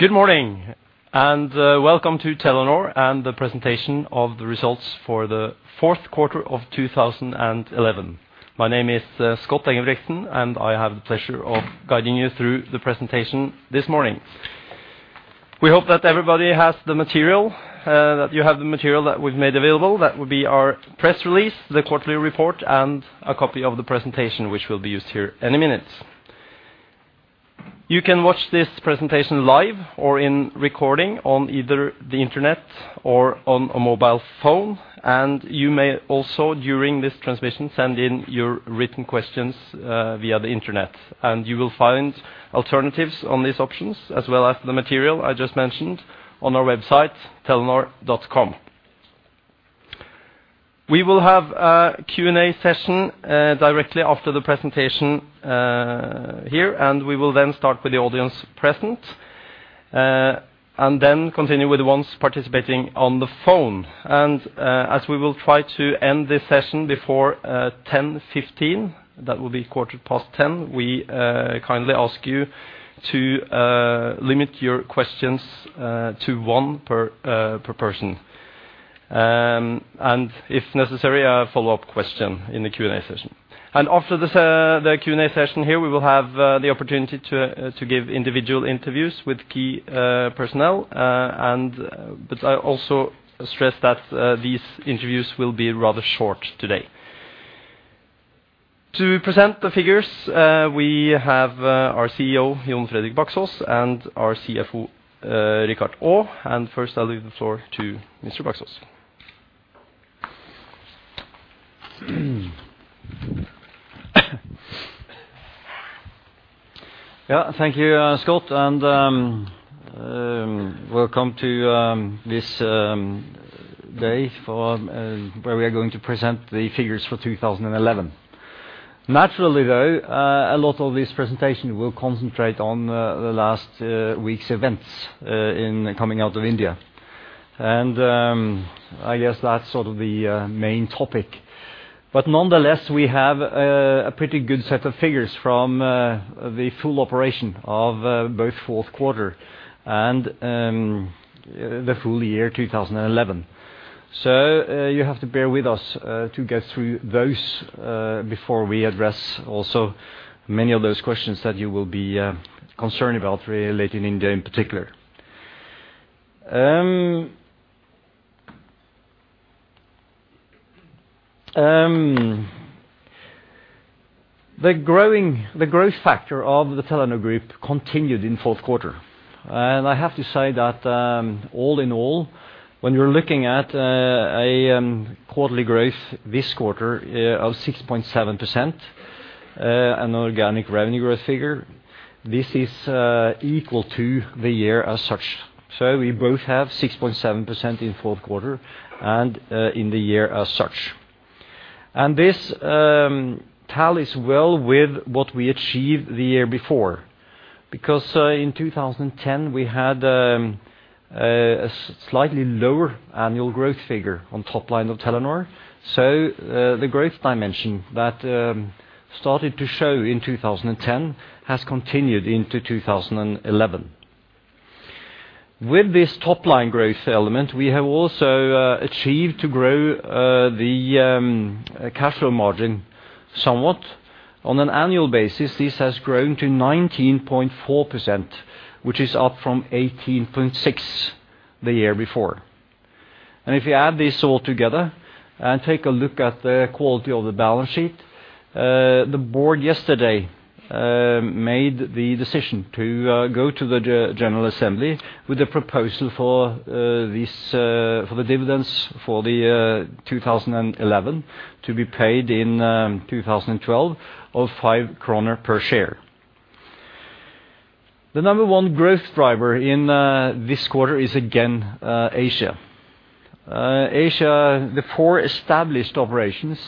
Good morning, and, welcome to Telenor and the presentation of the results for the fourth quarter of 2011. My name is, Scott Engebretsen, and I have the pleasure of guiding you through the presentation this morning. We hope that everybody has the material, that you have the material that we've made available. That would be our press release, the quarterly report, and a copy of the presentation, which will be used here any minute. You can watch this presentation live or in recording on either the internet or on a mobile phone, and you may also, during this transmission, send in your written questions, via the internet. You will find alternatives on these options as well as the material I just mentioned on our website, Telenor.com. We will have a Q&A session directly after the presentation here, and we will then start with the audience present and then continue with the ones participating on the phone. As we will try to end this session before 10:15, that will be 10:15, we kindly ask you to limit your questions to one per person. If necessary, a follow-up question in the Q&A session. After the Q&A session here, we will have the opportunity to give individual interviews with key personnel, and but I also stress that these interviews will be rather short today. To present the figures, we have our CEO, Jon Fredrik Baksaas, and our CFO, Richard Olav Aa, and first, I'll leave the floor to Mr. Baksaas. Yeah, thank you, Scott, and welcome to this day for where we are going to present the figures for 2011. Naturally, though, a lot of this presentation will concentrate on the last week's events in coming out of India. And, I guess that's sort of the main topic. But nonetheless, we have a pretty good set of figures from the full operation of both fourth quarter and the full year 2011. So, you have to bear with us to get through those before we address also many of those questions that you will be concerned about relating India in particular. The growth factor of the Telenor Group continued in fourth quarter. And I have to say that, all in all, when you're looking at a quarterly growth this quarter of 6.7%, an organic revenue growth figure, this is equal to the year as such. So we both have 6.7% in fourth quarter and in the year as such. And this tallies well with what we achieved the year before, because in 2010, we had a slightly lower annual growth figure on top line of Telenor. So the growth dimension that started to show in 2010 has continued into 2011. With this top-line growth element, we have also achieved to grow the cash flow margin somewhat. On an annual basis, this has grown to 19.4%, which is up from 18.6% the year before. If you add this all together and take a look at the quality of the balance sheet, the board yesterday made the decision to go to the general assembly with a proposal for this for the dividends for the 2011 to be paid in 2012, of 5 kroner per share. The number one growth driver in this quarter is again Asia. Asia, the four established operations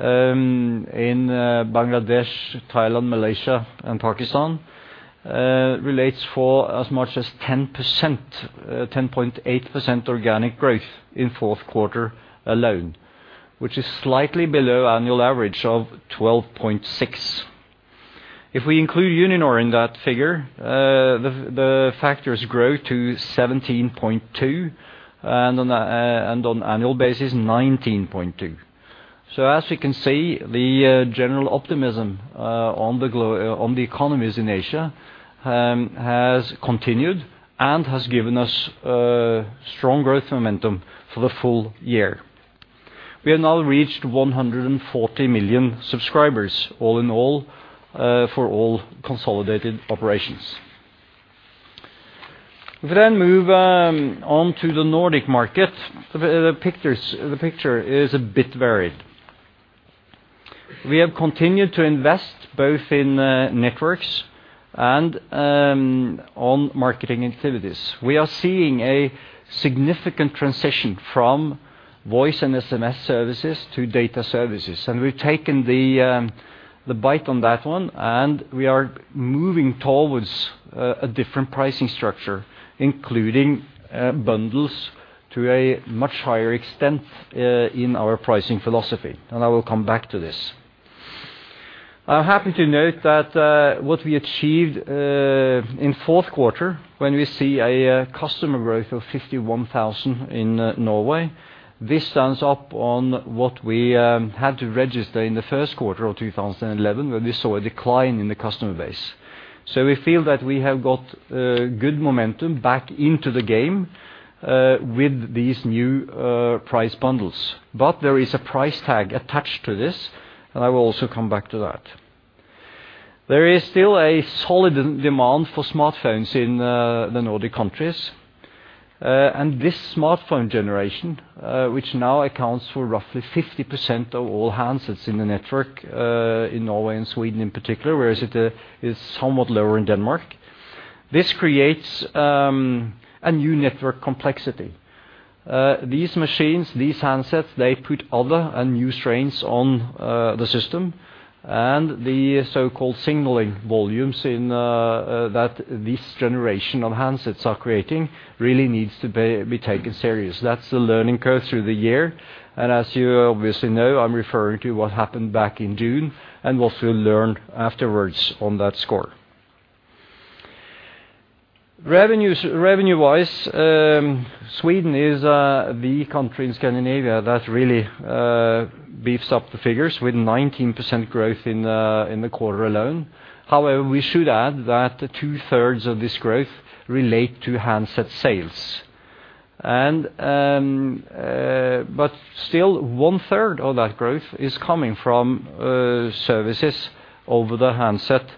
in Bangladesh, Thailand, Malaysia, and Pakistan relates for as much as 10%, 10.8% organic growth in fourth quarter alone, which is slightly below annual average of 12.6%. If we include Uninor in that figure, the factors grow to 17.2, and on annual basis, 19.2. So as you can see, the general optimism on the economies in Asia has continued and has given us strong growth momentum for the full year. We have now reached 140 million subscribers, all in all, for all consolidated operations. We then move on to the Nordic market. The picture is a bit varied. We have continued to invest both in networks and on marketing activities. We are seeing a significant transition from voice and SMS services to data services, and we've taken the bite on that one, and we are moving towards a different pricing structure, including bundles to a much higher extent in our pricing philosophy. And I will come back to this. I'm happy to note that what we achieved in fourth quarter, when we see a customer growth of 51,000 in Norway, this stands up on what we had to register in the first quarter of 2011, where we saw a decline in the customer base. So we feel that we have got good momentum back into the game with these new price bundles. But there is a price tag attached to this, and I will also come back to that. There is still a solid demand for smartphones in the Nordic countries. And this smartphone generation which now accounts for roughly 50% of all handsets in the network in Norway and Sweden in particular, whereas it is somewhat lower in Denmark. This creates a new network complexity. These machines, these handsets, they put other and new strains on the system, and the so-called signaling volumes in that this generation of handsets are creating, really needs to be taken serious. That's the learning curve through the year, and as you obviously know, I'm referring to what happened back in June, and what we learned afterwards on that score. Revenue-wise, Sweden is the country in Scandinavia that really beefs up the figures with 19% growth in the quarter alone. However, we should add that two-thirds of this growth relate to handset sales. But still one-third of that growth is coming from services over the handset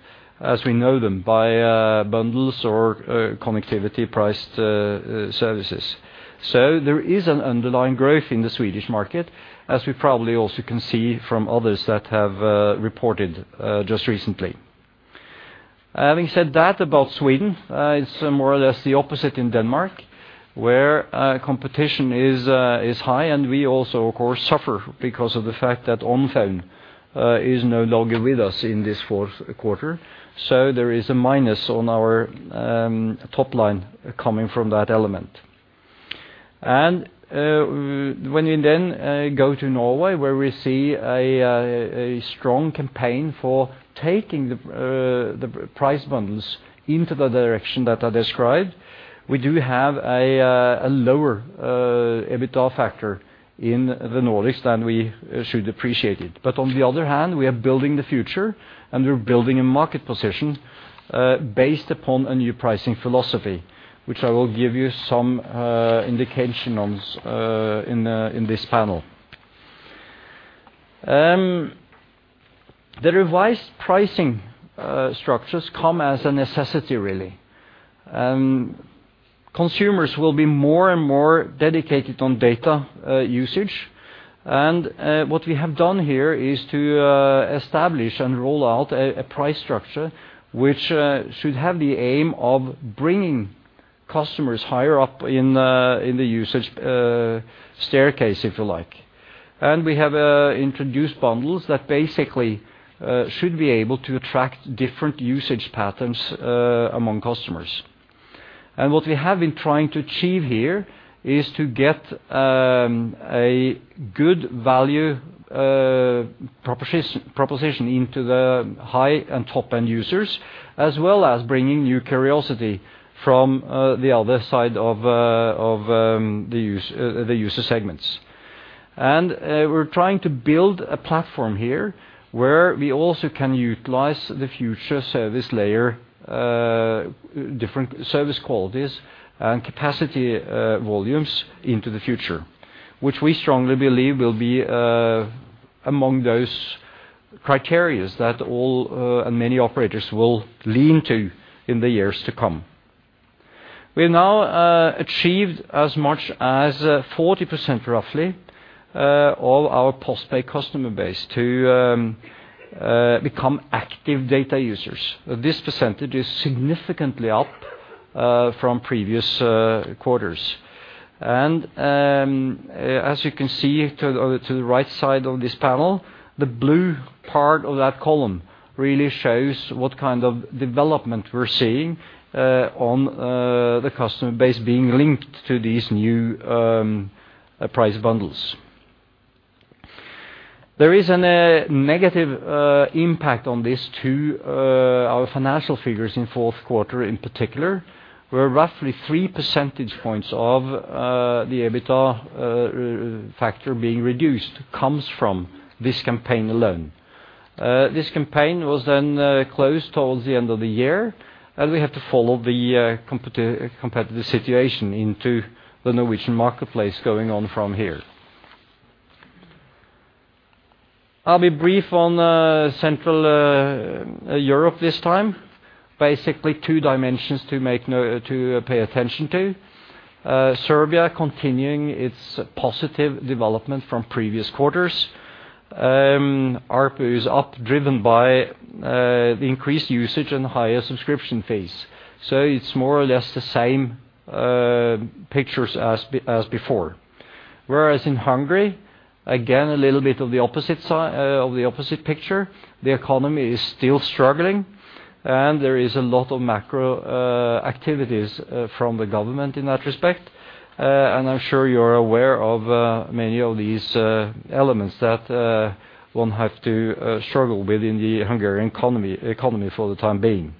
as we know them, by bundles or connectivity priced services. So there is an underlying growth in the Swedish market, as we probably also can see from others that have reported just recently. Having said that about Sweden, it's more or less the opposite in Denmark, where competition is high, and we also of course suffer because of the fact that Onfone is no longer with us in this fourth quarter. So there is a minus on our top line coming from that element. When you then go to Norway, where we see a strong campaign for taking the price bundles into the direction that I described, we do have a lower EBITDA factor in the Nordics than we should appreciate it. But on the other hand, we are building the future, and we're building a market position based upon a new pricing philosophy, which I will give you some indication on in this panel. The revised pricing structures come as a necessity, really. Consumers will be more and more dedicated on data usage. And what we have done here is to establish and roll out a price structure, which should have the aim of bringing customers higher up in the usage staircase, if you like. And we have introduced bundles that basically should be able to attract different usage patterns among customers. And what we have been trying to achieve here is to get a good value proposition into the high and top-end users, as well as bringing new curiosity from the other side of the user segments. We're trying to build a platform here where we also can utilize the future service layer, different service qualities and capacity, volumes into the future, which we strongly believe will be among those criteria that all and many operators will lean to in the years to come. We've now achieved as much as 40%, roughly, of our postpaid customer base to become active data users. This percentage is significantly up from previous quarters. As you can see to the right side of this panel, the blue part of that column really shows what kind of development we're seeing on the customer base being linked to these new price bundles. There is a negative impact on this to our financial figures in fourth quarter, in particular, where roughly three percentage points of the EBITDA factor being reduced comes from this campaign alone. This campaign was then closed towards the end of the year, and we have to follow the competitive situation into the Norwegian marketplace going on from here. I'll be brief on Central Europe this time. Basically, two dimensions to pay attention to. Serbia continuing its positive development from previous quarters. ARPU is up, driven by the increased usage and higher subscription fees. So it's more or less the same pictures as before. Whereas in Hungary, again, a little bit of the opposite side of the opposite picture. The economy is still struggling. And there is a lot of macro activities from the government in that respect. And I'm sure you're aware of many of these elements that one have to struggle with in the Hungarian economy for the time being.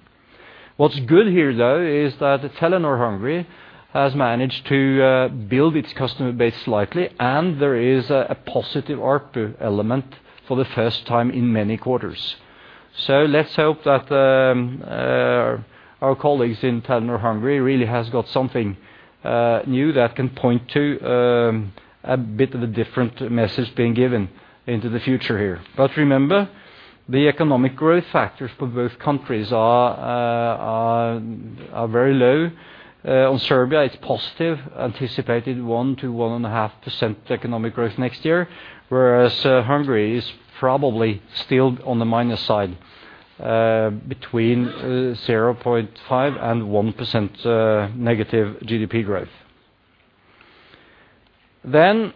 What's good here, though, is that Telenor Hungary has managed to build its customer base slightly, and there is a positive ARPU element for the first time in many quarters. So let's hope that, our colleagues in Telenor Hungary really has got something, new that can point to, a bit of a different message being given into the future here. But remember, the economic growth factors for both countries are very low. On Serbia, it's positive, anticipated 1%-1.5% economic growth next year, whereas Hungary is probably still on the minus side, between 0.5% and 1% negative GDP growth. Then,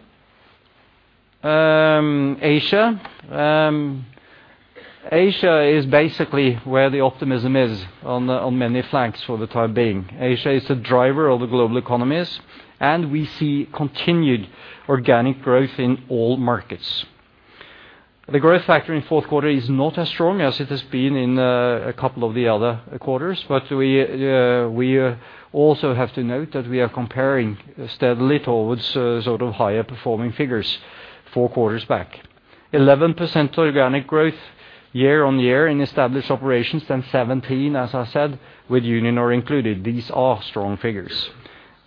Asia. Asia is basically where the optimism is on many fronts for the time being. Asia is the driver of the global economies, and we see continued organic growth in all markets. The growth factor in fourth quarter is not as strong as it has been in a couple of the other quarters, but we also have to note that we are comparing steadily towards sort of higher performing figures four quarters back. 11% organic growth year-on-year in established operations, and 17, as I said, with Uninor included, these are strong figures.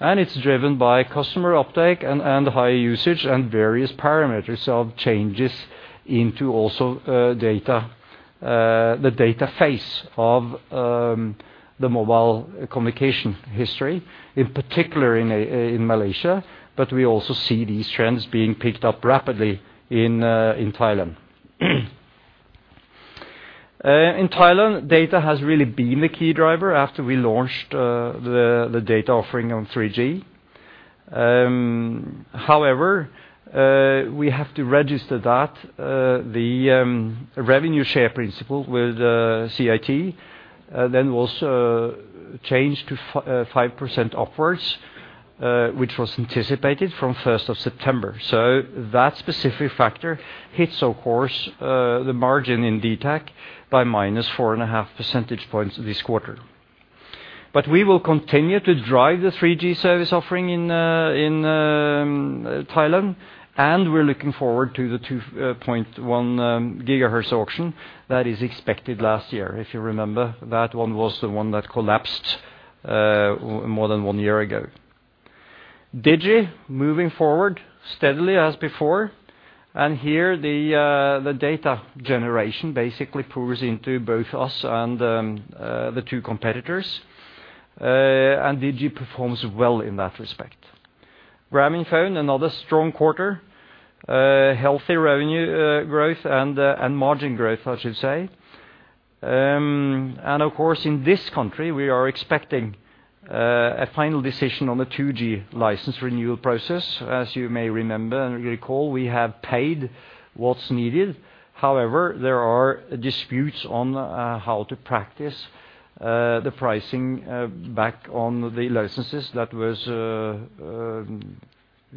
And it's driven by customer uptake and high usage and various parameters of changes into also data the data phase of the mobile communication history, in particular in Malaysia, but we also see these trends being picked up rapidly in Thailand. In Thailand, data has really been the key driver after we launched the data offering on 3G. However, we have to register that, the revenue share principle with CAT, then was changed to 5% upwards, which was anticipated from first of September. So that specific factor hits, of course, the margin in dtac by minus 4.5 percentage points this quarter. But we will continue to drive the 3G service offering in Thailand, and we're looking forward to the 2.1 gigahertz auction that is expected last year. If you remember, that one was the one that collapsed, more than 1 year ago. DiGi, moving forward steadily as before, and here, the data generation basically pours into both us and the two competitors, and DiGi performs well in that respect. Grameenphone, another strong quarter, healthy revenue growth and margin growth, I should say. And of course, in this country, we are expecting a final decision on the 2G license renewal process. As you may remember and recall, we have paid what's needed. However, there are disputes on how to practice the pricing back on the licenses that was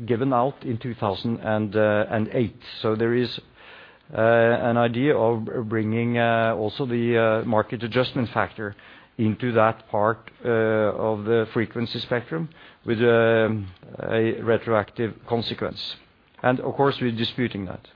given out in 2008. So there is an idea of bringing also the market adjustment factor into that part of the frequency spectrum with a retroactive consequence. And of course, we're disputing that.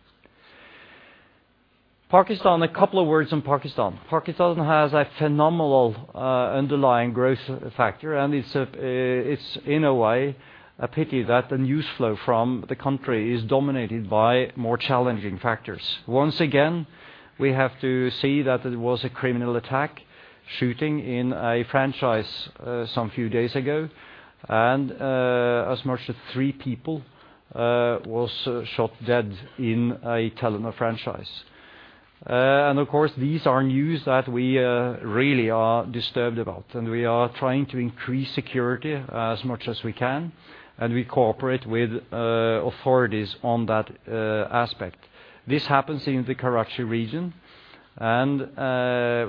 Pakistan, a couple of words on Pakistan. Pakistan has a phenomenal underlying growth factor, and it's in a way, a pity that the news flow from the country is dominated by more challenging factors. Once again, we have to see that it was a criminal attack, shooting in a franchise, some few days ago, and as much as three people was shot dead in a Telenor franchise. And of course, these are news that we really are disturbed about, and we are trying to increase security as much as we can, and we cooperate with authorities on that aspect. This happens in the Karachi region, and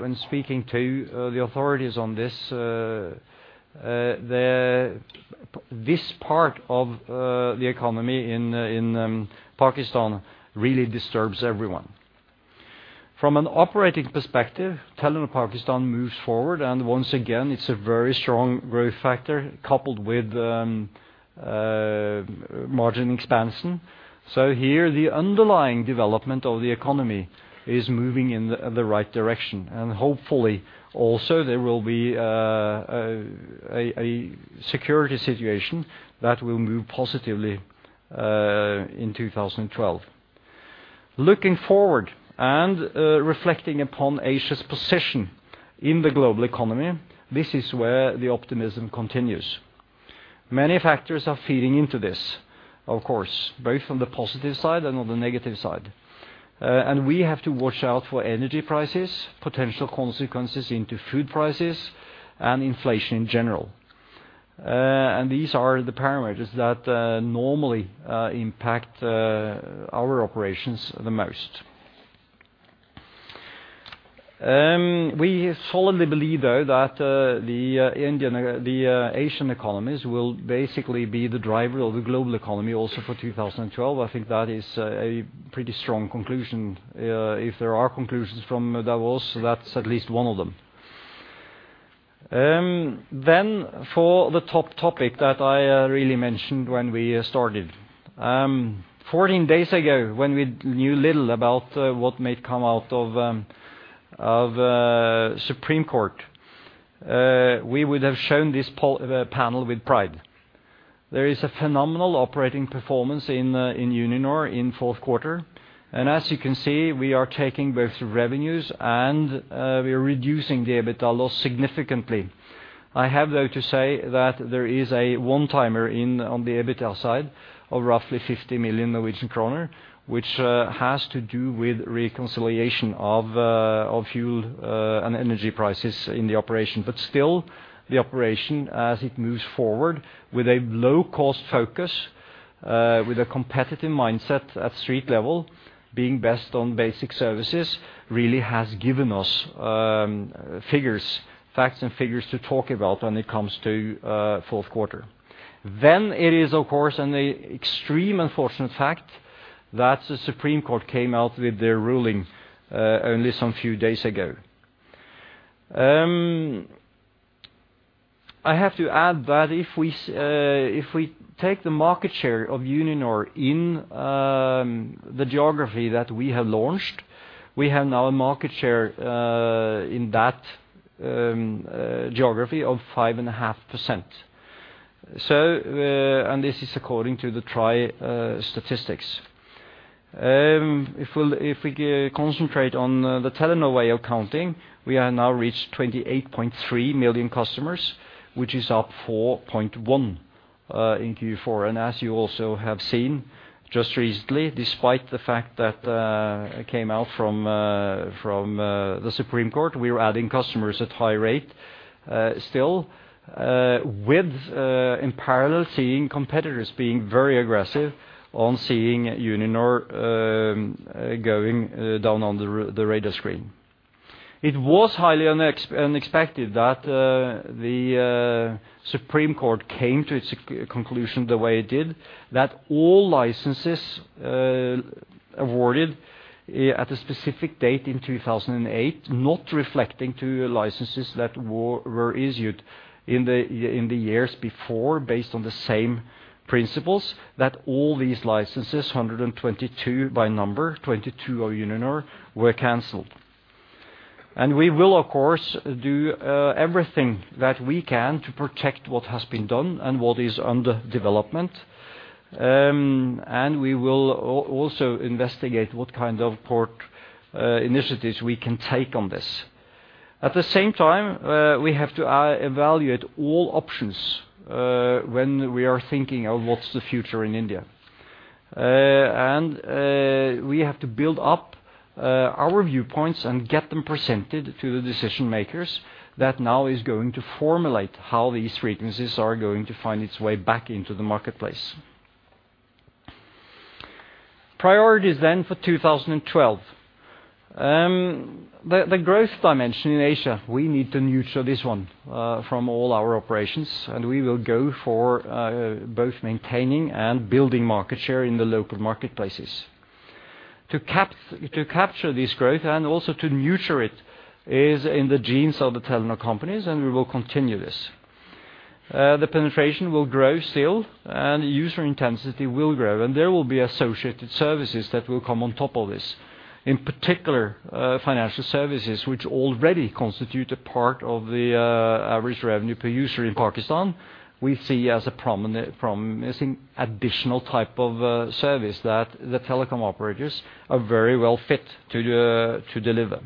when speaking to the authorities on this, this part of the economy in in Pakistan really disturbs everyone. From an operating perspective, Telenor Pakistan moves forward, and once again, it's a very strong growth factor coupled with margin expansion. So here, the underlying development of the economy is moving in the right direction, and hopefully, also, there will be a security situation that will move positively in 2012. Looking forward and reflecting upon Asia's position in the global economy, this is where the optimism continues. Many factors are feeding into this, of course, both on the positive side and on the negative side. And we have to watch out for energy prices, potential consequences into food prices, and inflation in general. And these are the parameters that normally impact our operations the most. We solidly believe, though, that the Indian, the Asian economies will basically be the driver of the global economy also for 2012. I think that is a pretty strong conclusion. If there are conclusions from Davos, that's at least one of them. Then for the top topic that I really mentioned when we started. 14 days ago, when we knew little about what might come out of Supreme Court, we would have shown this panel with pride. There is a phenomenal operating performance in Uninor in fourth quarter, and as you can see, we are taking both revenues, and we are reducing the EBITDA loss significantly. I have, though, to say that there is a one-timer in, on the EBITDA side of roughly 50 million Norwegian kroner, which has to do with reconciliation of fuel and energy prices in the operation. But still, the operation, as it moves forward with a low-cost focus, with a competitive mindset at street level, being best on basic services, really has given us, figures, facts and figures to talk about when it comes to, fourth quarter. Then it is, of course, an extreme unfortunate fact that the Supreme Court of India came out with their ruling, only some few days ago. I have to add that if we take the market share of Uninor in, the geography that we have launched, we have now a market share, in that, geography of 5.5%. So, and this is according to the TRAI, statistics. If we concentrate on the Telenor way of counting, we have now reached 28.3 million customers, which is up 4.1 in Q4. As you also have seen just recently, despite the fact that it came out from the Supreme Court, we are adding customers at high rate still, with in parallel seeing competitors being very aggressive on seeing Uninor going down on the radar screen. It was highly unexpected that the Supreme Court came to its conclusion the way it did, that all licenses awarded at a specific date in 2008, not reflecting to licenses that were issued in the years before, based on the same principles, that all these licenses, 122 by number, 22 of Uninor, were canceled. And we will, of course, do everything that we can to protect what has been done and what is under development. And we will also investigate what kind of court initiatives we can take on this. At the same time, we have to evaluate all options when we are thinking of what's the future in India. And we have to build up our viewpoints and get them presented to the decision-makers that now is going to formulate how these frequencies are going to find its way back into the marketplace. Priorities then for 2012. The growth dimension in Asia, we need to nurture this one from all our operations, and we will go for both maintaining and building market share in the local marketplaces. To capture this growth and also to nurture it, is in the genes of the Telenor companies, and we will continue this. The penetration will grow still, and user intensity will grow, and there will be associated services that will come on top of this. In particular, financial services, which already constitute a part of the average revenue per user in Pakistan, we see as a prominent, promising additional type of service that the telecom operators are very well fit to deliver.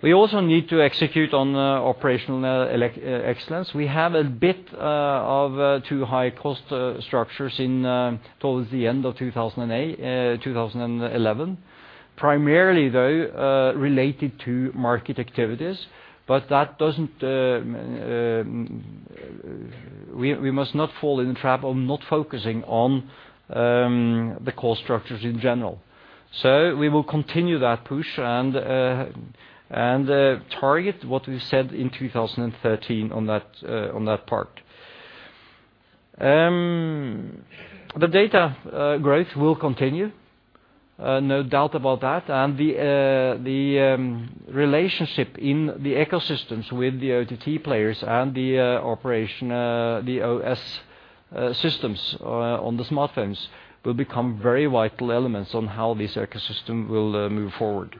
We also need to execute on operational excellence. We have a bit of too high cost structures towards the end of 2008, 2011, primarily, though, related to market activities, but that doesn't... We, we must not fall in the trap of not focusing on the cost structures in general. So we will continue that push and, and, target what we said in 2013 on that, on that part. The data growth will continue, no doubt about that, and the, the relationship in the ecosystems with the OTT players and the operation, the OS systems on the smartphones, will become very vital elements on how this ecosystem will move forward.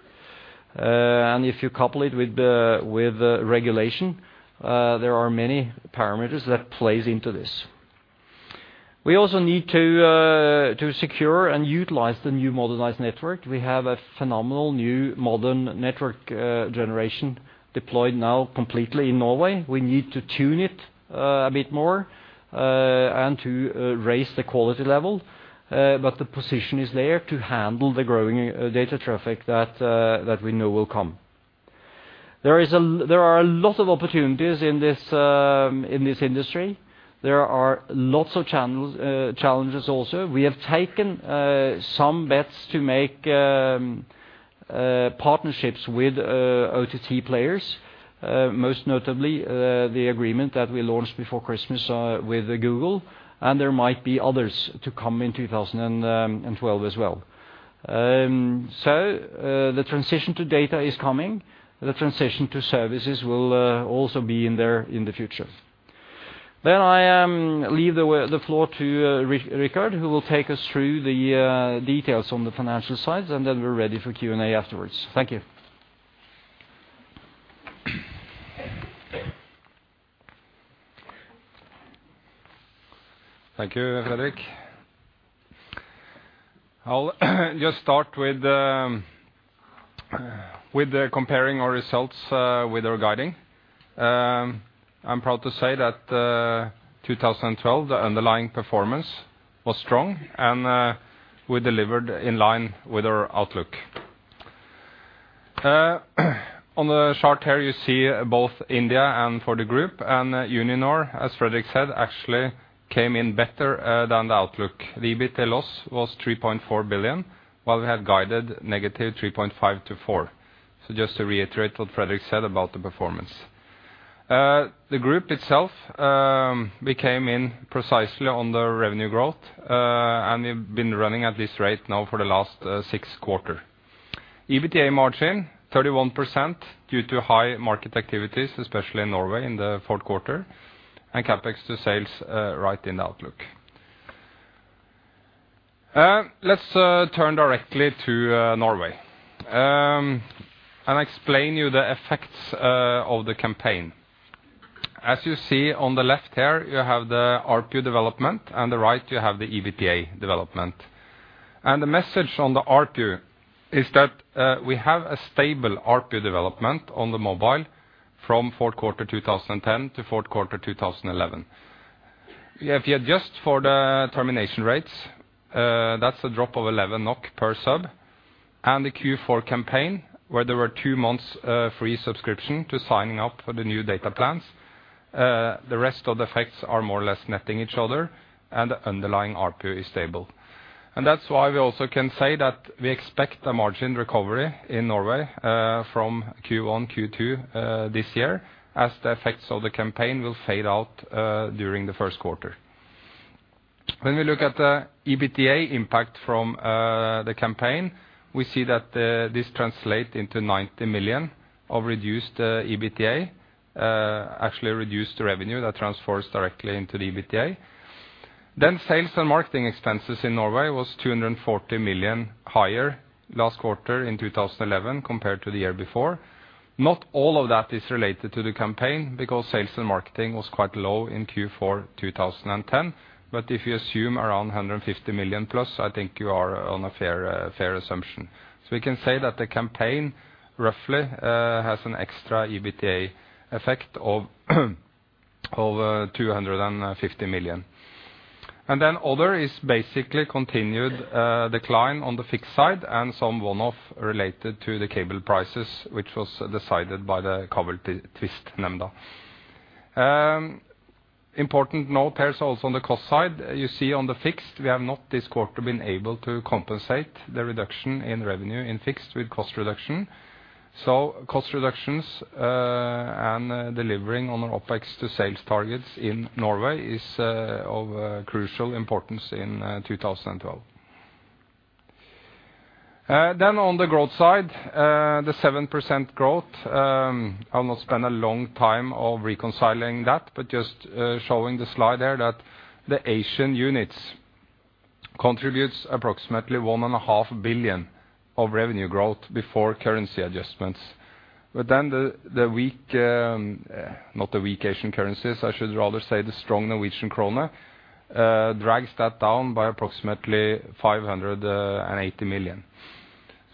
And if you couple it with the, with regulation, there are many parameters that plays into this. We also need to secure and utilize the new modernized network. We have a phenomenal new modern network generation deployed now completely in Norway. We need to tune it a bit more and to raise the quality level, but the position is there to handle the growing data traffic that we know will come. There are a lot of opportunities in this industry. There are lots of challenges also. We have taken some bets to make partnerships with OTT players, most notably the agreement that we launched before Christmas with Google, and there might be others to come in 2012 as well. So, the transition to data is coming, the transition to services will also be in there in the future. Then I leave the floor to Richard, who will take us through the details on the financial side, and then we're ready for Q&A afterwards. Thank you. Thank you, Fredrik. I'll just start with the comparing our results with our guiding. I'm proud to say that 2012, the underlying performance was strong, and we delivered in line with our outlook. On the chart here, you see both India and for the group, and Uninor, as Fredrik said, actually came in better than the outlook. The EBITDA loss was 3.4 billion, while we had guided negative 3.5 billion-4 billion. So just to reiterate what Fredrik said about the performance. The group itself, we came in precisely on the revenue growth, and we've been running at this rate now for the last six quarters. EBITDA margin 31% due to high market activities, especially in Norway, in the fourth quarter, and CapEx to sales right in the outlook. Let's turn directly to Norway. And explain you the effects of the campaign. As you see on the left here, you have the ARPU development, on the right you have the EBITDA development. The message on the ARPU is that we have a stable ARPU development on the mobile from fourth quarter 2010 to fourth quarter 2011. If you adjust for the termination rates, that's a drop of 11 NOK per sub, and the Q4 campaign, where there were two months free subscription to signing up for the new data plans. The rest of the effects are more or less netting each other, and the underlying ARPU is stable. And that's why we also can say that we expect a margin recovery in Norway, from Q1, Q2, this year, as the effects of the campaign will fade out, during the first quarter. When we look at the EBITDA impact from the campaign, we see that this translate into 90 million of reduced EBITDA, actually reduced revenue that transfers directly into the EBITDA. Then sales and marketing expenses in Norway was 240 million higher last quarter in 2011, compared to the year before. Not all of that is related to the campaign, because sales and marketing was quite low in Q4 2010. But if you assume around 150 million plus, I think you are on a fair fair assumption. So we can say that the campaign roughly has an extra EBITDA effect of 250 million. And then other is basically continued decline on the fixed side and some one-off related to the cable prices, which was decided by the Kabeltvistnemnda. Important note here also on the cost side, you see on the fixed, we have not this quarter been able to compensate the reduction in revenue in fixed with cost reduction. So cost reductions and delivering on our OpEx to sales targets in Norway is of crucial importance in 2012. Then on the growth side, the 7% growth, I'll not spend a long time of reconciling that, but just showing the slide there that the Asian units contributes approximately 1.5 billion of revenue growth before currency adjustments. But then the weak. Not the weak Asian currencies, I should rather say the strong Norwegian kroner, drags that down by approximately 580 million.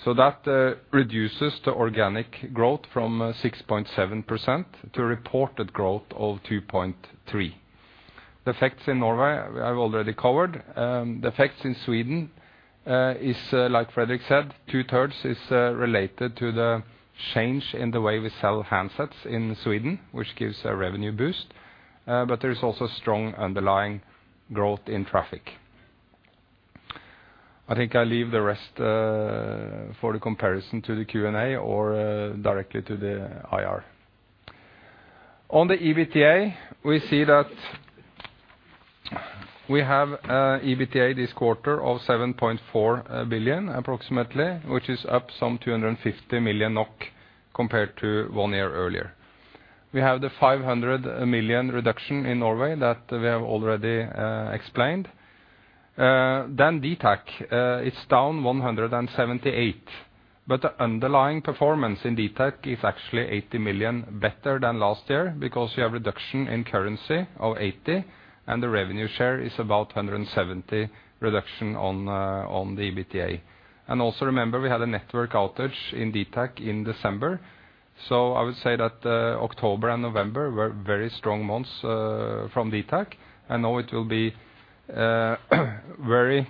So that reduces the organic growth from 6.7% to a reported growth of 2.3%. The effects in Norway, I've already covered. The effects in Sweden is, like Fredrik said, two-thirds is related to the change in the way we sell handsets in Sweden, which gives a revenue boost, but there is also strong underlying growth in traffic. I think I leave the rest for the comparison to the Q&A or directly to the IR. On the EBITDA, we see that we have EBITDA this quarter of 7.4 billion approximately, which is up some 250 million NOK compared to one year earlier. We have the 500 million reduction in Norway that we have already explained. Then dtac, it's down 178 million, but the underlying performance in dtac is actually 80 million better than last year, because you have reduction in currency of 80 million, and the revenue share is about 170 million reduction on the EBITDA. And also remember, we had a network outage in dtac in December, so I would say that October and November were very strong months from dtac, and now it will be very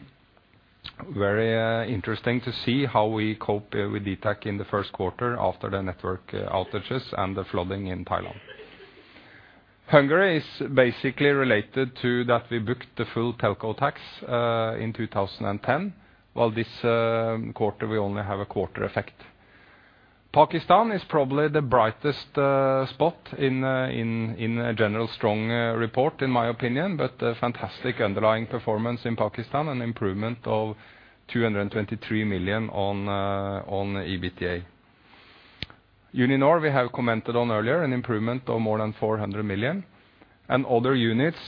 interesting to see how we cope with dtac in the first quarter after the network outages and the flooding in Thailand. Hungary is basically related to that we booked the full telco tax in 2010, while this quarter, we only have a quarter effect. Pakistan is probably the brightest spot in in a general strong report, in my opinion, but a fantastic underlying performance in Pakistan, an improvement of 223 million on the EBITDA. Uninor, we have commented on earlier, an improvement of more than 400 million. And other units,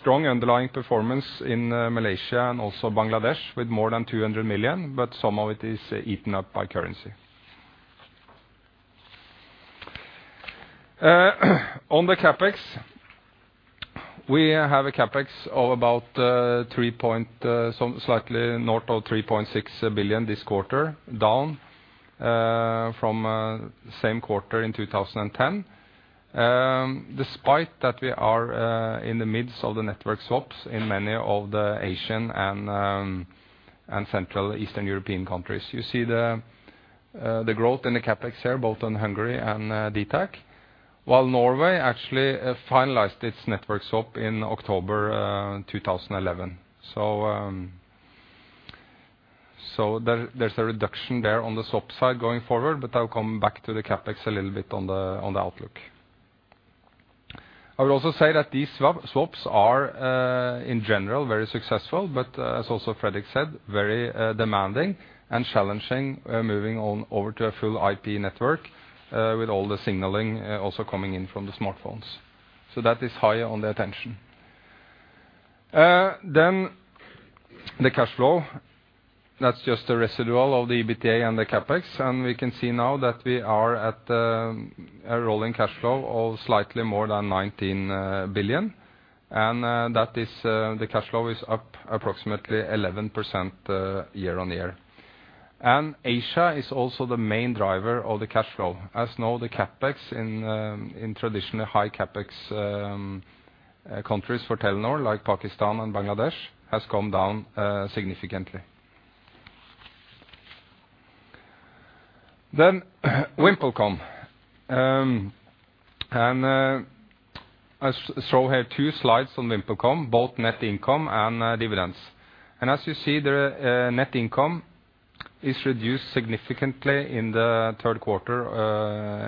strong underlying performance in Malaysia and also Bangladesh, with more than 200 million, but some of it is eaten up by currency. On the CapEx, we have a CapEx of about some slightly north of 3.6 billion this quarter, down from same quarter in 2010. Despite that, we are in the midst of the network swaps in many of the Asian and and Central Eastern European countries. You see the growth in the CapEx here, both on Hungary and DTAC, while Norway actually finalized its network swap in October 2011. So, there's a reduction there on the swap side going forward, but I'll come back to the CapEx a little bit on the outlook. I will also say that these swaps are in general very successful, but, as also Fredrik said, very demanding and challenging moving on over to a full IP network with all the signaling also coming in from the smartphones. So that is high on the attention. Then the cash flow, that's just the residual of the EBITDA and the CapEx, and we can see now that we are at a rolling cash flow of slightly more than 19 billion. That is, the cash flow is up approximately 11%, year-on-year. Asia is also the main driver of the cash flow. As now, the CapEx in traditionally high CapEx countries for Telenor, like Pakistan and Bangladesh, has come down significantly. Then, VimpelCom. I show here two slides on VimpelCom, both net income and dividends. As you see, the net income is reduced significantly in the third quarter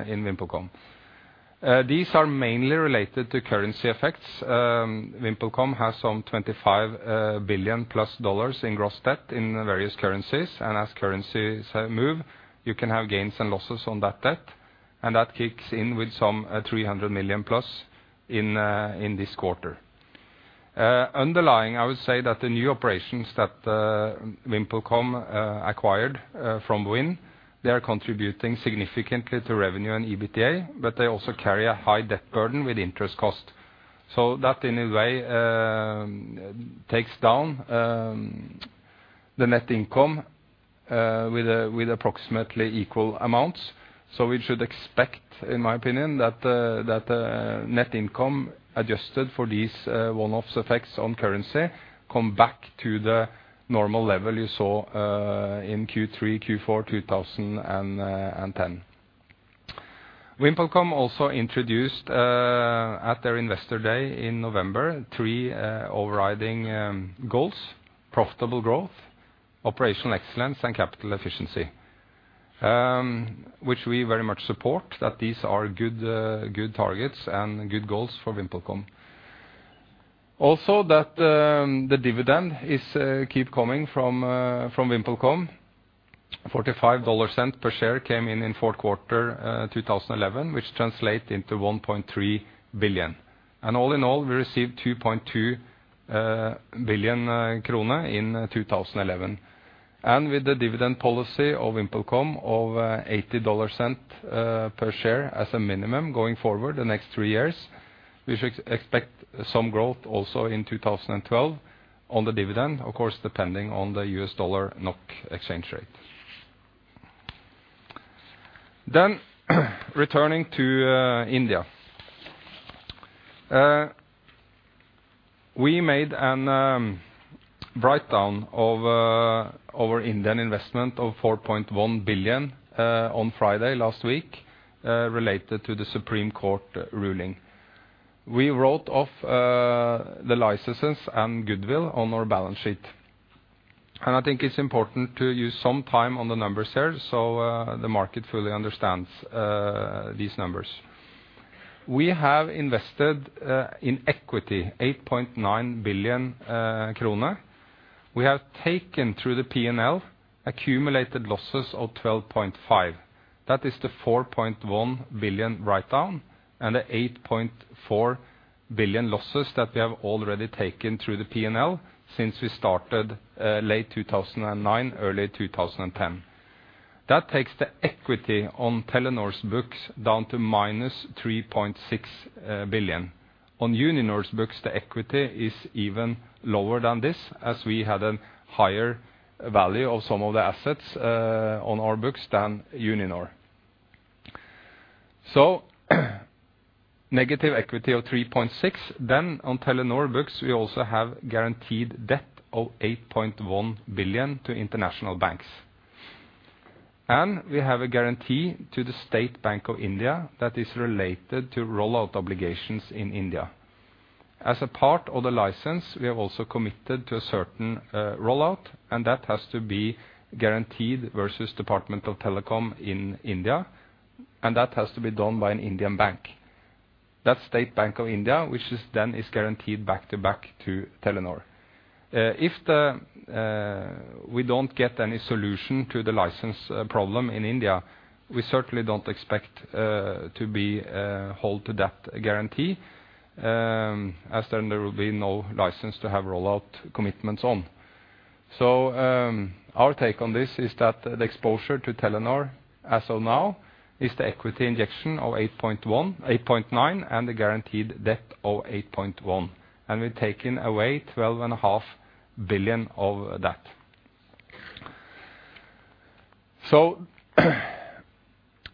in VimpelCom. These are mainly related to currency effects. VimpelCom has some $25 billion-plus in gross debt in various currencies, and as currencies move, you can have gains and losses on that debt, and that kicks in with some $300 million-plus in this quarter. Underlying, I would say that the new operations that VimpelCom acquired from Wind they are contributing significantly to revenue and EBITDA, but they also carry a high debt burden with interest cost. So that, in a way, takes down the net income with approximately equal amounts. So we should expect, in my opinion, that net income adjusted for these one-offs effects on currency come back to the normal level you saw in Q3, Q4, 2010. VimpelCom also introduced at their investor day in November three overriding goals: profitable growth, operational excellence, and capital efficiency. Which we very much support, that these are good targets and good goals for VimpelCom. Also, that the dividend is keep coming from VimpelCom. $0.45 per share came in in fourth quarter, 2011, which translate into $1.3 billion. And all in all, we received 2.2 billion krone in 2011. And with the dividend policy of VimpelCom of, $0.80 per share as a minimum going forward the next three years, we should expect some growth also in 2012 on the dividend, of course, depending on the US dollar NOK exchange rate. Then, returning to, India. We made an write-down of, our Indian investment of 4.1 billion, on Friday last week, related to the Supreme Court ruling. We wrote off the licenses and goodwill on our balance sheet, and I think it's important to use some time on the numbers here, so the market fully understands these numbers. We have invested in equity 8.9 billion kroner. We have taken through the P&L accumulated losses of 12.5 billion. That is the 4.1 billion write-down and the 8.4 billion losses that we have already taken through the P&L since we started late 2009, early 2010. That takes the equity on Telenor's books down to -3.6 billion. On Uninor's books, the equity is even lower than this, as we had a higher value of some of the assets on our books than Uninor. So negative equity of 3.6 billion, then on Telenor books, we also have guaranteed debt of 8.1 billion to international banks. And we have a guarantee to the State Bank of India that is related to rollout obligations in India. As a part of the license, we have also committed to a certain rollout, and that has to be guaranteed versus Department of Telecom in India, and that has to be done by an Indian bank. That's State Bank of India, which is then guaranteed back-to-back to Telenor. If we don't get any solution to the license problem in India, we certainly don't expect to be hold to that guarantee, as then there will be no license to have rollout commitments on. Our take on this is that the exposure to Telenor, as of now, is the equity injection of 8.1-8.9 billion, and the guaranteed debt of 8.1 billion, and we've taken away 12.5 billion of that.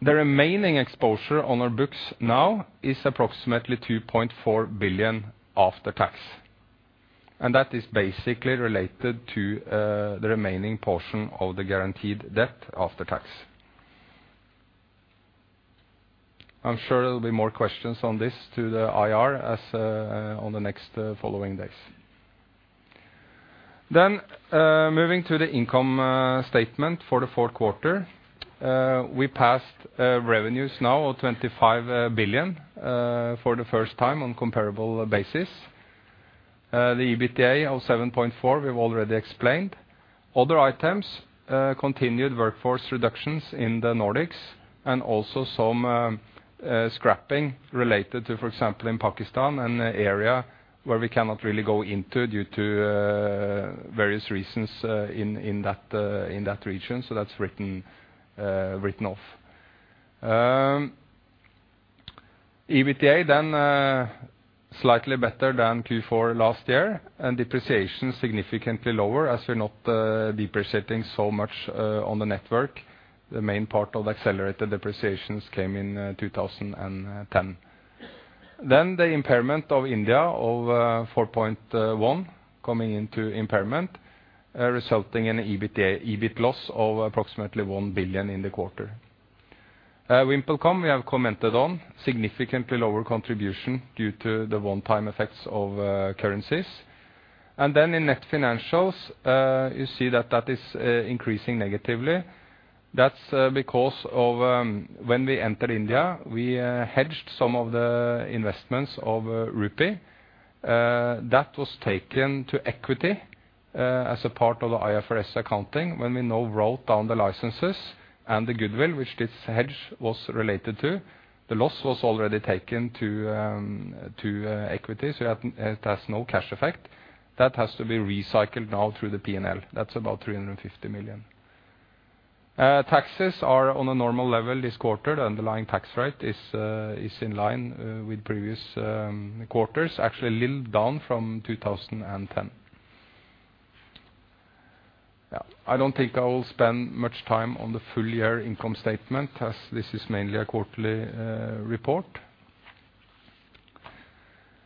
The remaining exposure on our books now is approximately 2.4 billion after tax, and that is basically related to the remaining portion of the guaranteed debt after tax. I'm sure there will be more questions on this to the IR as on the next following days. Moving to the income statement for the fourth quarter, we passed revenues now of 25 billion for the first time on comparable basis. The EBITDA of 7.4 billion, we've already explained. Other items, continued workforce reductions in the Nordics and also some scrapping related to, for example, in Pakistan, an area where we cannot really go into due to various reasons in that region. So that's written off. EBITDA, then, slightly better than Q4 last year, and depreciation significantly lower as we're not depreciating so much on the network. The main part of the accelerated depreciations came in 2010. Then the impairment of India of 4.1 coming into impairment, resulting in an EBIT loss of approximately 1 billion in the quarter. VimpelCom, we have commented on, significantly lower contribution due to the one-time effects of currencies. Then in net financials, you see that that is increasing negatively. That's because of when we entered India, we hedged some of the investments of rupee. That was taken to equity as a part of the IFRS accounting. When we now wrote down the licenses and the goodwill, which this hedge was related to, the loss was already taken to equity, so it has no cash effect. That has to be recycled now through the P&L. That's about 350 million. Taxes are on a normal level this quarter. The underlying tax rate is in line with previous quarters, actually a little down from 2010. Yeah, I don't think I will spend much time on the full year income statement, as this is mainly a quarterly report.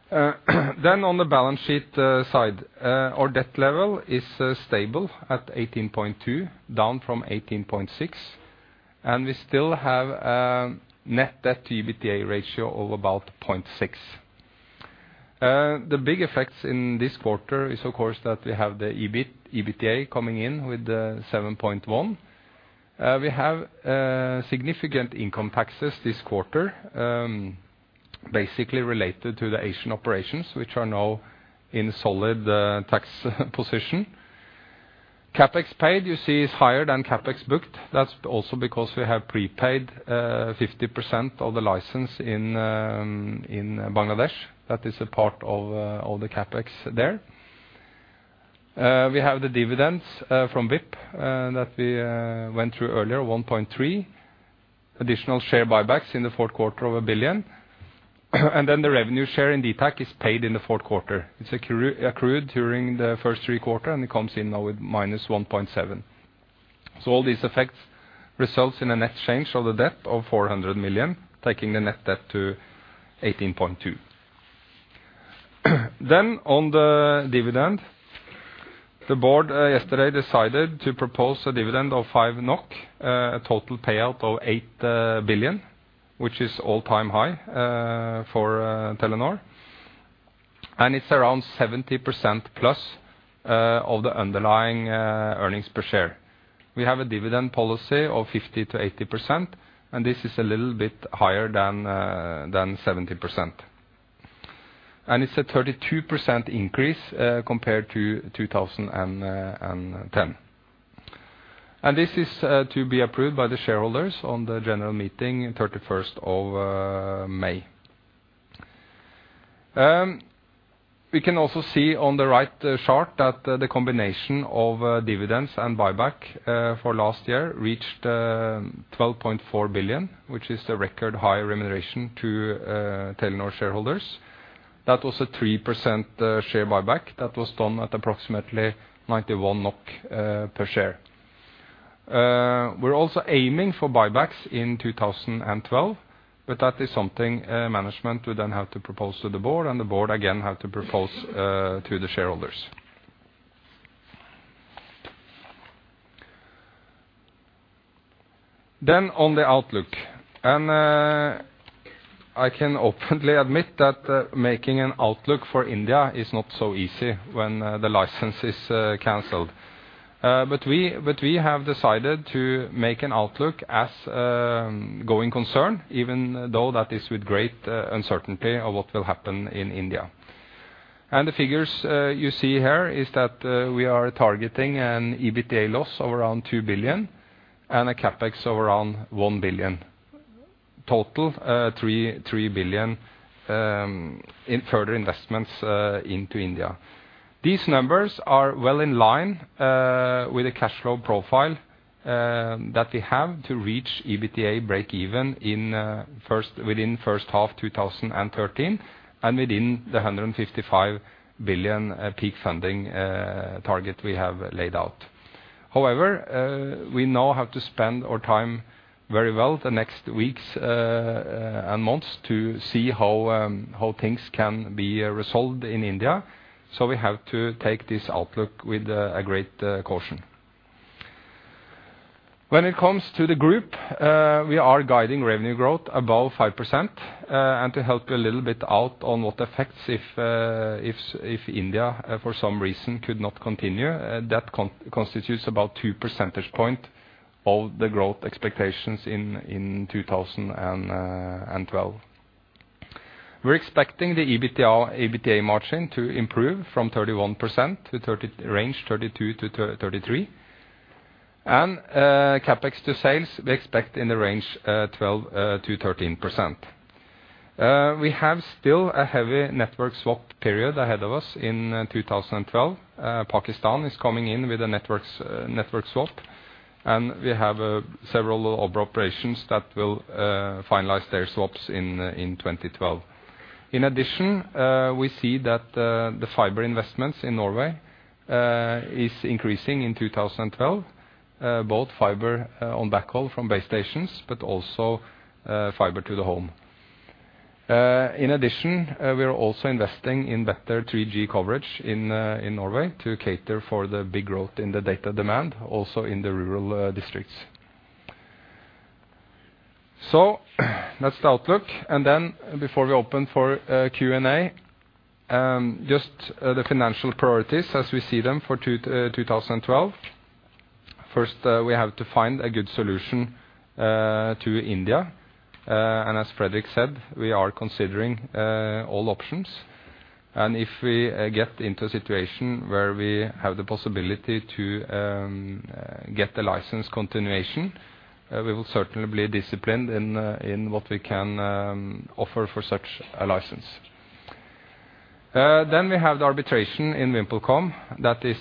Then on the balance sheet side, our debt level is stable at 18.2, down from 18.6, and we still have net debt to EBITDA ratio of about 0.6. The big effects in this quarter is, of course, that we have the EBITDA coming in with 7.1. We have significant income taxes this quarter, basically related to the Asian operations, which are now in solid tax position. CapEx paid, you see, is higher than CapEx booked. That's also because we have prepaid 50% of the license in Bangladesh. That is a part of the CapEx there. We have the dividends from VIP that we went through earlier, 1.3 billion. Additional share buybacks in the fourth quarter of 1 billion. And then the revenue share in dtac is paid in the fourth quarter. It's accrued during the first three quarter, and it comes in now with -1.7 billion. So all these effects results in a net change of the debt of 400 million, taking the net debt to 18.2 billion. Then, on the dividend, the board yesterday decided to propose a dividend of 5 NOK, a total payout of 8 billion, which is all-time high for Telenor. It's around 70% plus of the underlying earnings per share. We have a dividend policy of 50%-80%, and this is a little bit higher than 70%. It's a 32% increase compared to 2010. And this is to be approved by the shareholders on the general meeting, thirty-first of May. We can also see on the right chart that the combination of dividends and buyback for last year reached 12.4 billion, which is the record high remuneration to Telenor shareholders. That was a 3% share buyback. That was done at approximately 91 NOK per share. We're also aiming for buybacks in 2012, but that is something management would then have to propose to the board, and the board again have to propose to the shareholders. Then on the outlook, and I can openly admit that making an outlook for India is not so easy when the license is canceled. But we, but we have decided to make an outlook as a going concern, even though that is with great uncertainty of what will happen in India. And the figures you see here is that we are targeting an EBITDA loss of around 2 billion and a CapEx of around 1 billion. Total 3 billion in further investments into India. These numbers are well in line with the cash flow profile that we have to reach EBITDA breakeven within first half 2013, and within the 155 billion peak funding target we have laid out. However, we now have to spend our time very well the next weeks and months to see how things can be resolved in India. So we have to take this outlook with a great caution. When it comes to the group, we are guiding revenue growth above 5%, and to help a little bit out on what effects if India, for some reason, could not continue, that constitutes about two percentage points of the growth expectations in 2012. We're expecting the EBITDA margin to improve from 31% to the range 32%-33%. And CapEx to sales, we expect in the range 12%-13%. We have still a heavy network swap period ahead of us in 2012. Pakistan is coming in with a network swap, and we have several other operations that will finalize their swaps in 2012. In addition, we see that the fiber investments in Norway is increasing in 2012. Both fiber on backhaul from base stations, but also fiber to the home. In addition, we are also investing in better 3G coverage in Norway to cater for the big growth in the data demand, also in the rural districts. So that's the outlook. And then before we open for Q&A, just the financial priorities as we see them for 2012. First, we have to find a good solution to India. And as Fredrik said, we are considering all options. And if we get into a situation where we have the possibility to get the license continuation, we will certainly be disciplined in what we can offer for such a license. Then we have the arbitration in VimpelCom that is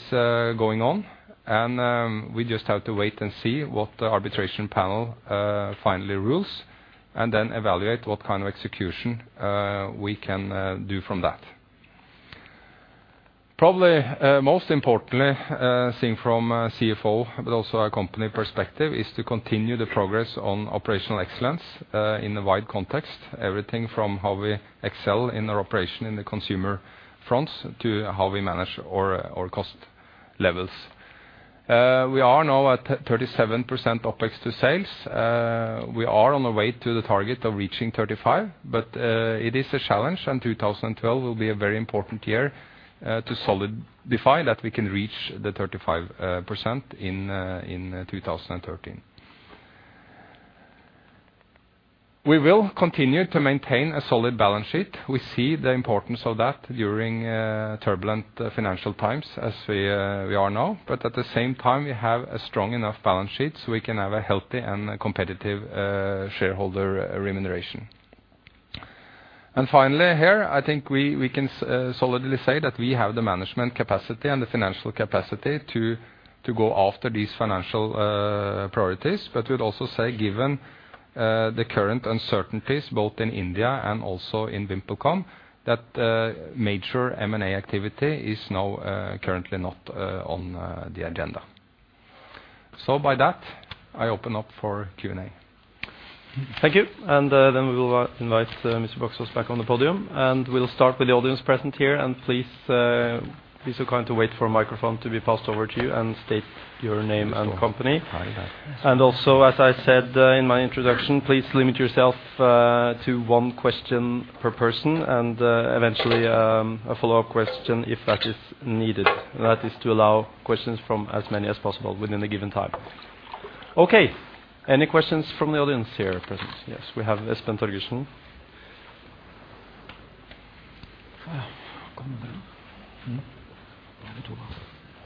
going on, and we just have to wait and see what the arbitration panel finally rules, and then evaluate what kind of execution we can do from that. Probably, most importantly, seeing from a CFO, but also our company perspective, is to continue the progress on operational excellence, in the wide context, everything from how we excel in our operation in the consumer fronts to how we manage our, our cost levels. We are now at 37% OpEx to sales. We are on the way to the target of reaching 35%, but, it is a challenge, and 2012 will be a very important year, to solidify that we can reach the 35%, percent in, in 2013. We will continue to maintain a solid balance sheet. We see the importance of that during, turbulent financial times as we, we are now. But at the same time, we have a strong enough balance sheet so we can have a healthy and competitive shareholder remuneration. And finally, here, I think we can solidly say that we have the management capacity and the financial capacity to go after these financial priorities. But we'd also say, given the current uncertainties, both in India and also in VimpelCom, that major M&A activity is now currently not on the agenda. So by that, I open up for Q&A. Thank you. And then we will invite Mr. Baksaas back on the podium, and we'll start with the audience present here. And please, please be so kind to wait for a microphone to be passed over to you, and state your name and company. And also, as I said in my introduction, please limit yourself to one question per person and eventually a follow-up question if that is needed. That is to allow questions from as many as possible within the given time. Okay. Any questions from the audience here present? Yes, we have Espen Torgersen.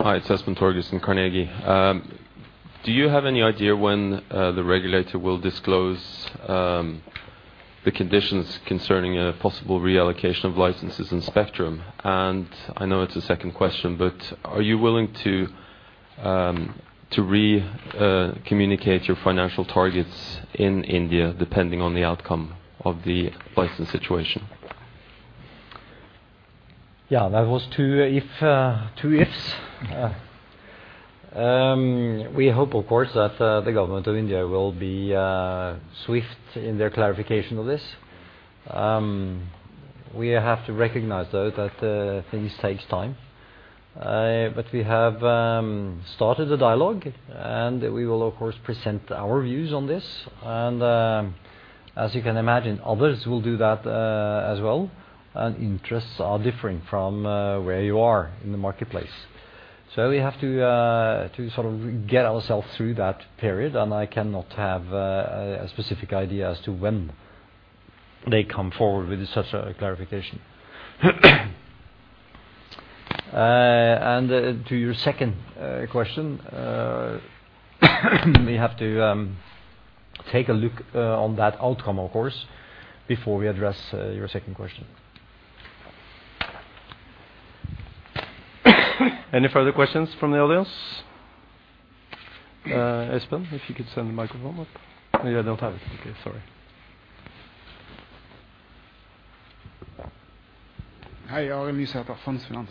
Hi, it's Espen Torgersen, Carnegie. Do you have any idea when the regulator will disclose the conditions concerning a possible reallocation of licenses and spectrum? And I know it's a second question, but are you willing to recommunicate your financial targets in India, depending on the outcome of the license situation? ...Yeah, that was two if, two ifs. We hope, of course, that the government of India will be swift in their clarification of this. We have to recognize, though, that things takes time. But we have started a dialogue, and we will, of course, present our views on this, and as you can imagine, others will do that as well, and interests are differing from where you are in the marketplace. So we have to to sort of get ourselves through that period, and I cannot have a specific idea as to when they come forward with such a clarification. And to your second question, we have to take a look on that outcome, of course, before we address your second question. Any further questions from the audience? Espen, if you could send the microphone up. You don't have it. Okay, sorry. Hi, Arild Nysæther of Fondsfinans.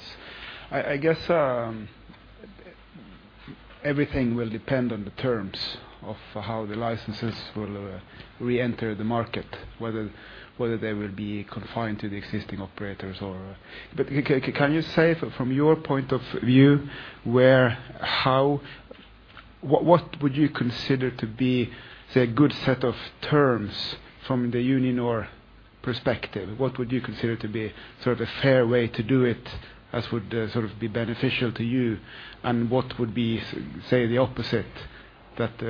I guess everything will depend on the terms of how the licenses will reenter the market, whether they will be confined to the existing operators or... But can you say from your point of view, where, how, what would you consider to be, say, a good set of terms from the Uninor perspective? What would you consider to be sort of a fair way to do it, as would sort of be beneficial to you, and what would be, say, the opposite, that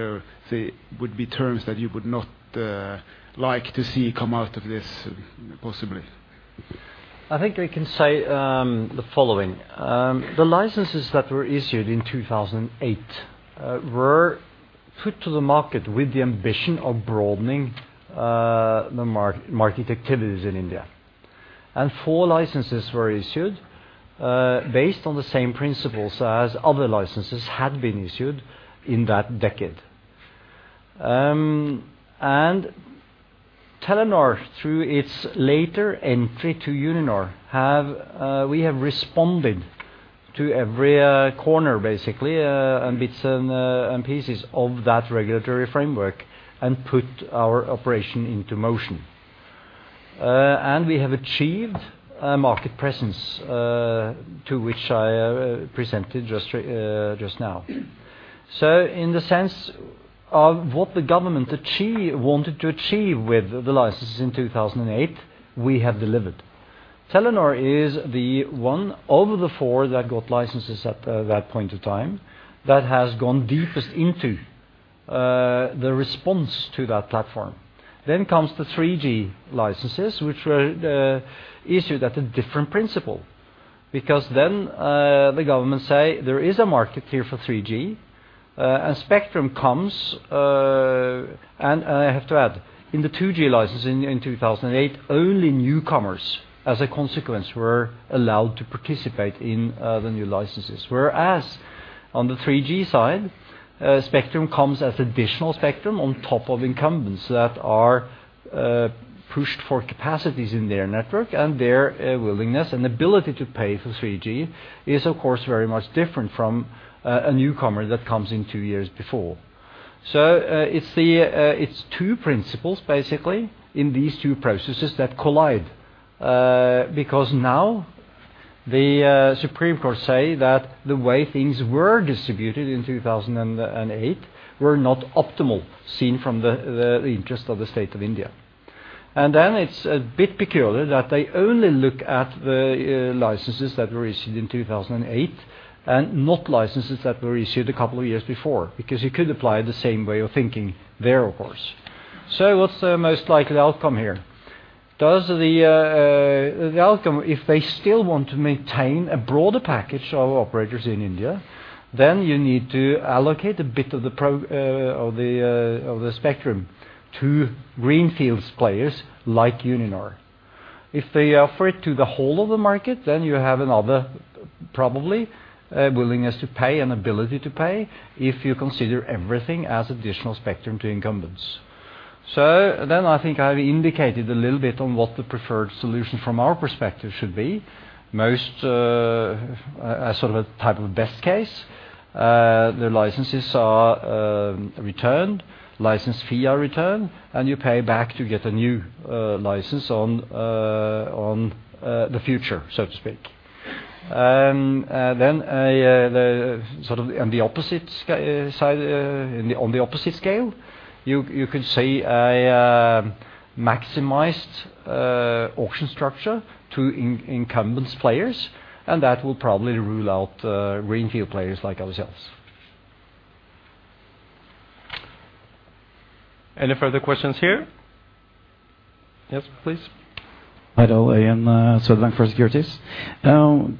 would be terms that you would not like to see come out of this, possibly? I think I can say the following. The licenses that were issued in 2008 were put to the market with the ambition of broadening the market activities in India. And four licenses were issued based on the same principles as other licenses had been issued in that decade. And Telenor, through its later entry to Uninor, we have responded to every corner, basically, and bits and pieces of that regulatory framework and put our operation into motion. And we have achieved a market presence to which I presented just now. So in the sense of what the government wanted to achieve with the licenses in 2008, we have delivered. Telenor is the one of the four that got licenses at that point of time that has gone deepest into the response to that platform. Then comes the 3G licenses, which were issued at a different principle, because then the government say there is a market here for 3G, and spectrum comes... And I have to add, in the 2G license in 2008, only newcomers, as a consequence, were allowed to participate in the new licenses. Whereas on the 3G side, spectrum comes as additional spectrum on top of incumbents that are pushed for capacities in their network, and their willingness and ability to pay for 3G is, of course, very much different from a newcomer that comes in two years before. So, it's the, it's two principles, basically, in these two processes that collide, because now the, Supreme Court says that the way things were distributed in 2008 were not optimal, seen from the, the interest of the state of India. And then it's a bit peculiar that they only look at the, licenses that were issued in 2008, and not licenses that were issued a couple of years before, because you could apply the same way of thinking there, of course. So what's the most likely outcome here? Does the outcome, if they still want to maintain a broader package of operators in India, then you need to allocate a bit of the spectrum to Greenfield players like Uninor. If they offer it to the whole of the market, then you have another, probably, a willingness to pay and ability to pay, if you consider everything as additional spectrum to incumbents. So then I think I've indicated a little bit on what the preferred solution from our perspective should be. As sort of a type of best case, the licenses are returned, license fee are returned, and you pay back to get a new license on the future, so to speak. Then the sort of on the opposite side, on the opposite scale, you could say a maximized auction structure to incumbent players, and that will probably rule out greenfield players like ourselves. Any further questions here? Yes, please. Hi, Donald Ian, Swedbank Securities.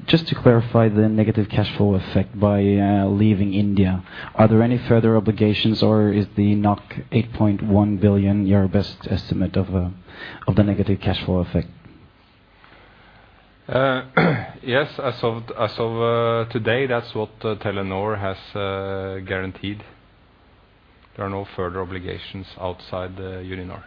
Just to clarify the negative cash flow effect by leaving India, are there any further obligations, or is the 8.1 billion your best estimate of the negative cash flow effect? Yes, as of today, that's what Telenor has guaranteed. ...There are no further obligations outside the Uninor.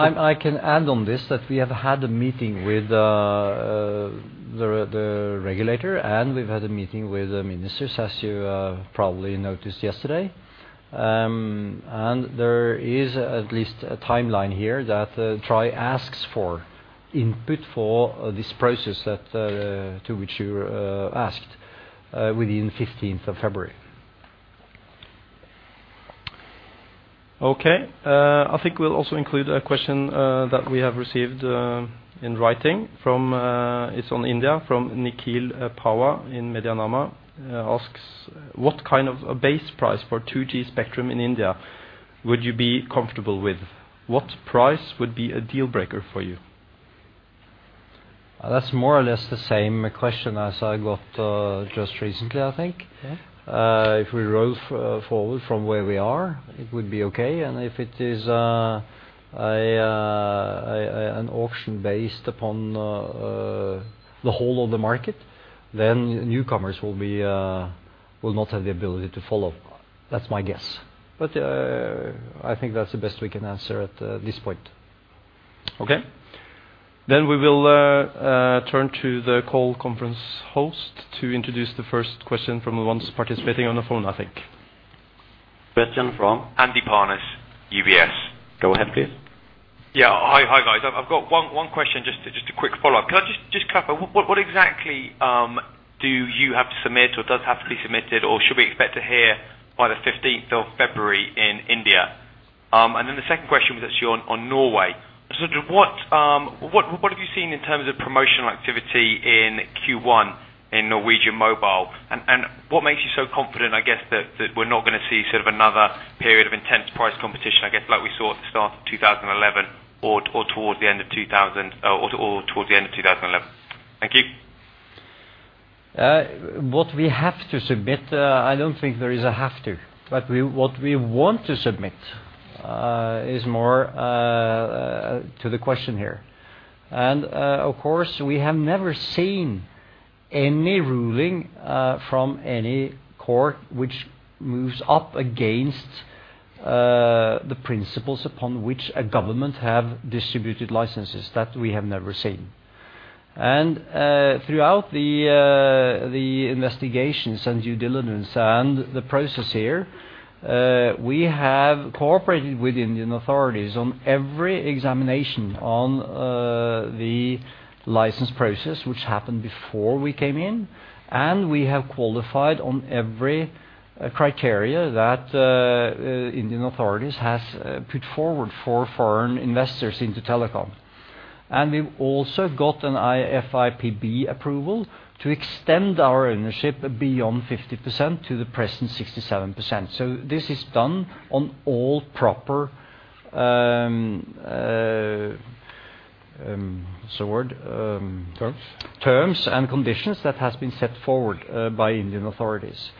I can add on this, that we have had a meeting with the regulator, and we've had a meeting with the ministers, as you probably noticed yesterday. And there is at least a timeline here that TRAI asks for input for this process that to which you asked within fifteenth of February. Okay. I think we'll also include a question that we have received in writing from, it's on India, from Nikhil Pahwa in MediaNama. Asks: What kind of a base price for 2G spectrum in India would you be comfortable with? What price would be a deal breaker for you? That's more or less the same question as I got, just recently, I think. Yeah. If we roll forward from where we are, it would be okay, and if it is an auction based upon the whole of the market, then newcomers will not have the ability to follow. That's my guess. But I think that's the best we can answer at this point. Okay. Then we will turn to the call conference host to introduce the first question from the ones participating on the phone, I think. Question from? Andy Parnas, UBS. Go ahead, please. Yeah. Hi, guys. I've got one question, just a quick follow-up. Can I just clarify, what exactly do you have to submit, or does have to be submitted, or should we expect to hear by the fifteenth of February in India? And then the second question was actually on Norway. So sort of what have you seen in terms of promotional activity in Q1 in Norwegian Mobile? And what makes you so confident, I guess, that we're not gonna see sort of another period of intense price competition, I guess, like we saw at the start of 2011, or towards the end of 2011? Thank you. What we have to submit, I don't think there is a have to, but we-- what we want to submit, is more to the question here. And, of course, we have never seen any ruling from any court which moves up against the principles upon which a government have distributed licenses. That we have never seen. And, throughout the investigations and due diligence and the process here, we have cooperated with Indian authorities on every examination on the license process, which happened before we came in, and we have qualified on every criteria that Indian authorities has put forward for foreign investors into telecom. And we've also got an FIPB approval to extend our ownership beyond 50% to the present 67%. So this is done on all proper... What's the word? Um- Terms. Terms and conditions that has been set forward by Indian authorities.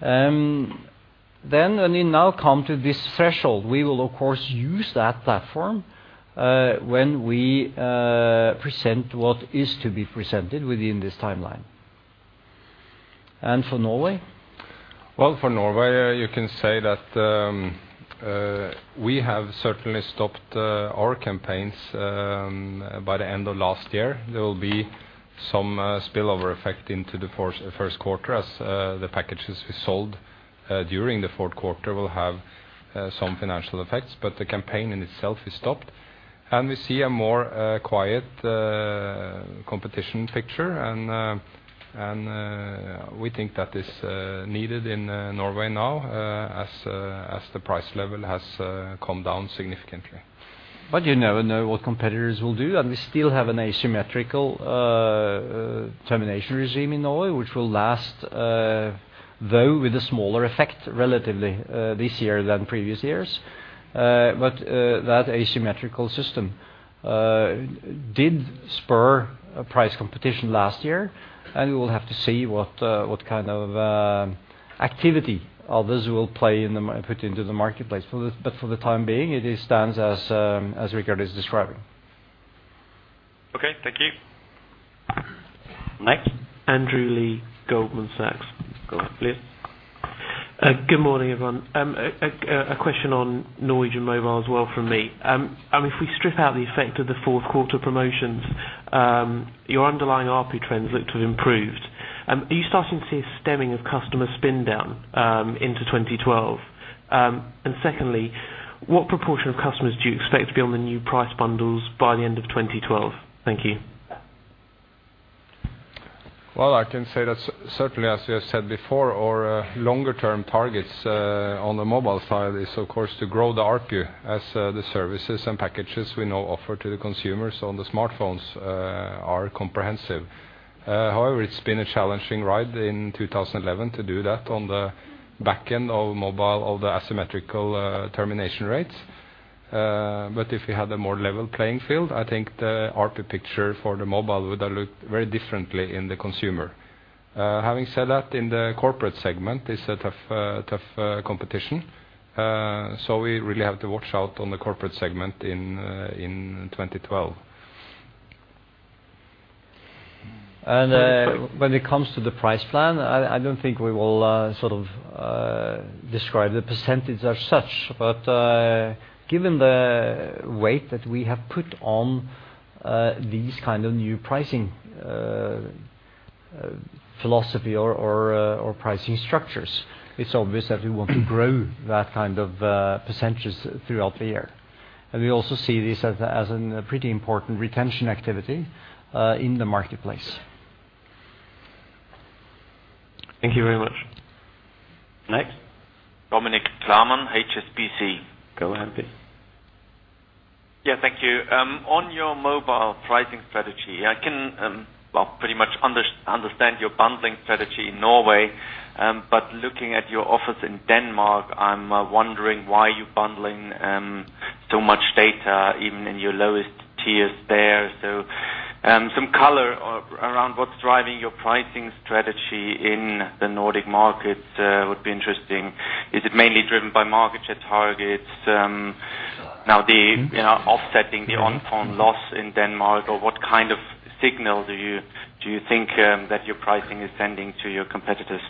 Then, when we now come to this threshold, we will, of course, use that platform when we present what is to be presented within this timeline. And for Norway? Well, for Norway, you can say that we have certainly stopped our campaigns by the end of last year. There will be some spillover effect into the first quarter as the packages we sold during the fourth quarter will have some financial effects. But the campaign in itself is stopped, and we see a more quiet competition picture. And we think that is needed in Norway now as the price level has come down significantly. But you never know what competitors will do, and we still have an asymmetrical termination regime in Norway, which will last, though with a smaller effect, relatively, this year than previous years. But that asymmetrical system did spur a price competition last year, and we will have to see what kind of activity others will play in the put into the marketplace. But for the time being, it is stands as Richard is describing. Okay, thank you. Next? Andrew Lee, Goldman Sachs. Go ahead, please. Good morning, everyone. A question on Norwegian Mobile as well from me. If we strip out the effect of the fourth quarter promotions, your underlying ARPU trends look to have improved. Are you starting to see a stemming of customer spin down into 2012? And secondly, what proportion of customers do you expect to be on the new price bundles by the end of 2012? Thank you. Well, I can say that certainly, as you have said before, our longer term targets on the mobile side is, of course, to grow the ARPU as the services and packages we now offer to the consumers on the smartphones are comprehensive. However, it's been a challenging ride in 2011 to do that on the back end of mobile, of the asymmetrical termination rates. But if you had a more level playing field, I think the ARPU picture for the mobile would have looked very differently in the consumer. Having said that, in the corporate segment, it's a tough, tough competition. So we really have to watch out on the corporate segment in 2012. ...And when it comes to the price plan, I don't think we will sort of describe the percentage as such. But given the weight that we have put on these kind of new pricing philosophy or pricing structures, it's obvious that we want to grow that kind of percentages throughout the year. And we also see this as a pretty important retention activity in the marketplace. Thank you very much. Next? Dominik Klarmann, HSBC. Go ahead, please. Yeah, thank you. On your mobile pricing strategy, I can, well, pretty much understand your bundling strategy in Norway. But looking at your offerings in Denmark, I'm wondering why you're bundling so much data, even in your lowest tiers there. So, some color around what's driving your pricing strategy in the Nordic markets would be interesting. Is it mainly driven by market share targets, you know, offsetting the Onfone loss in Denmark, or what kind of signal do you think that your pricing is sending to your competitors?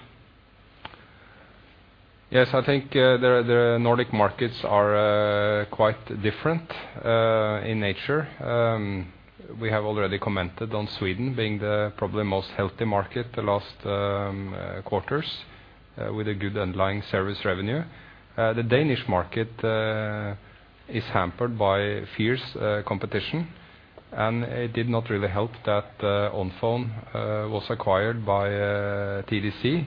Yes, I think the Nordic markets are quite different in nature. We have already commented on Sweden being the probably most healthy market the last quarters with a good underlying service revenue. The Danish market is hampered by fierce competition, and it did not really help that Onfone was acquired by TDC,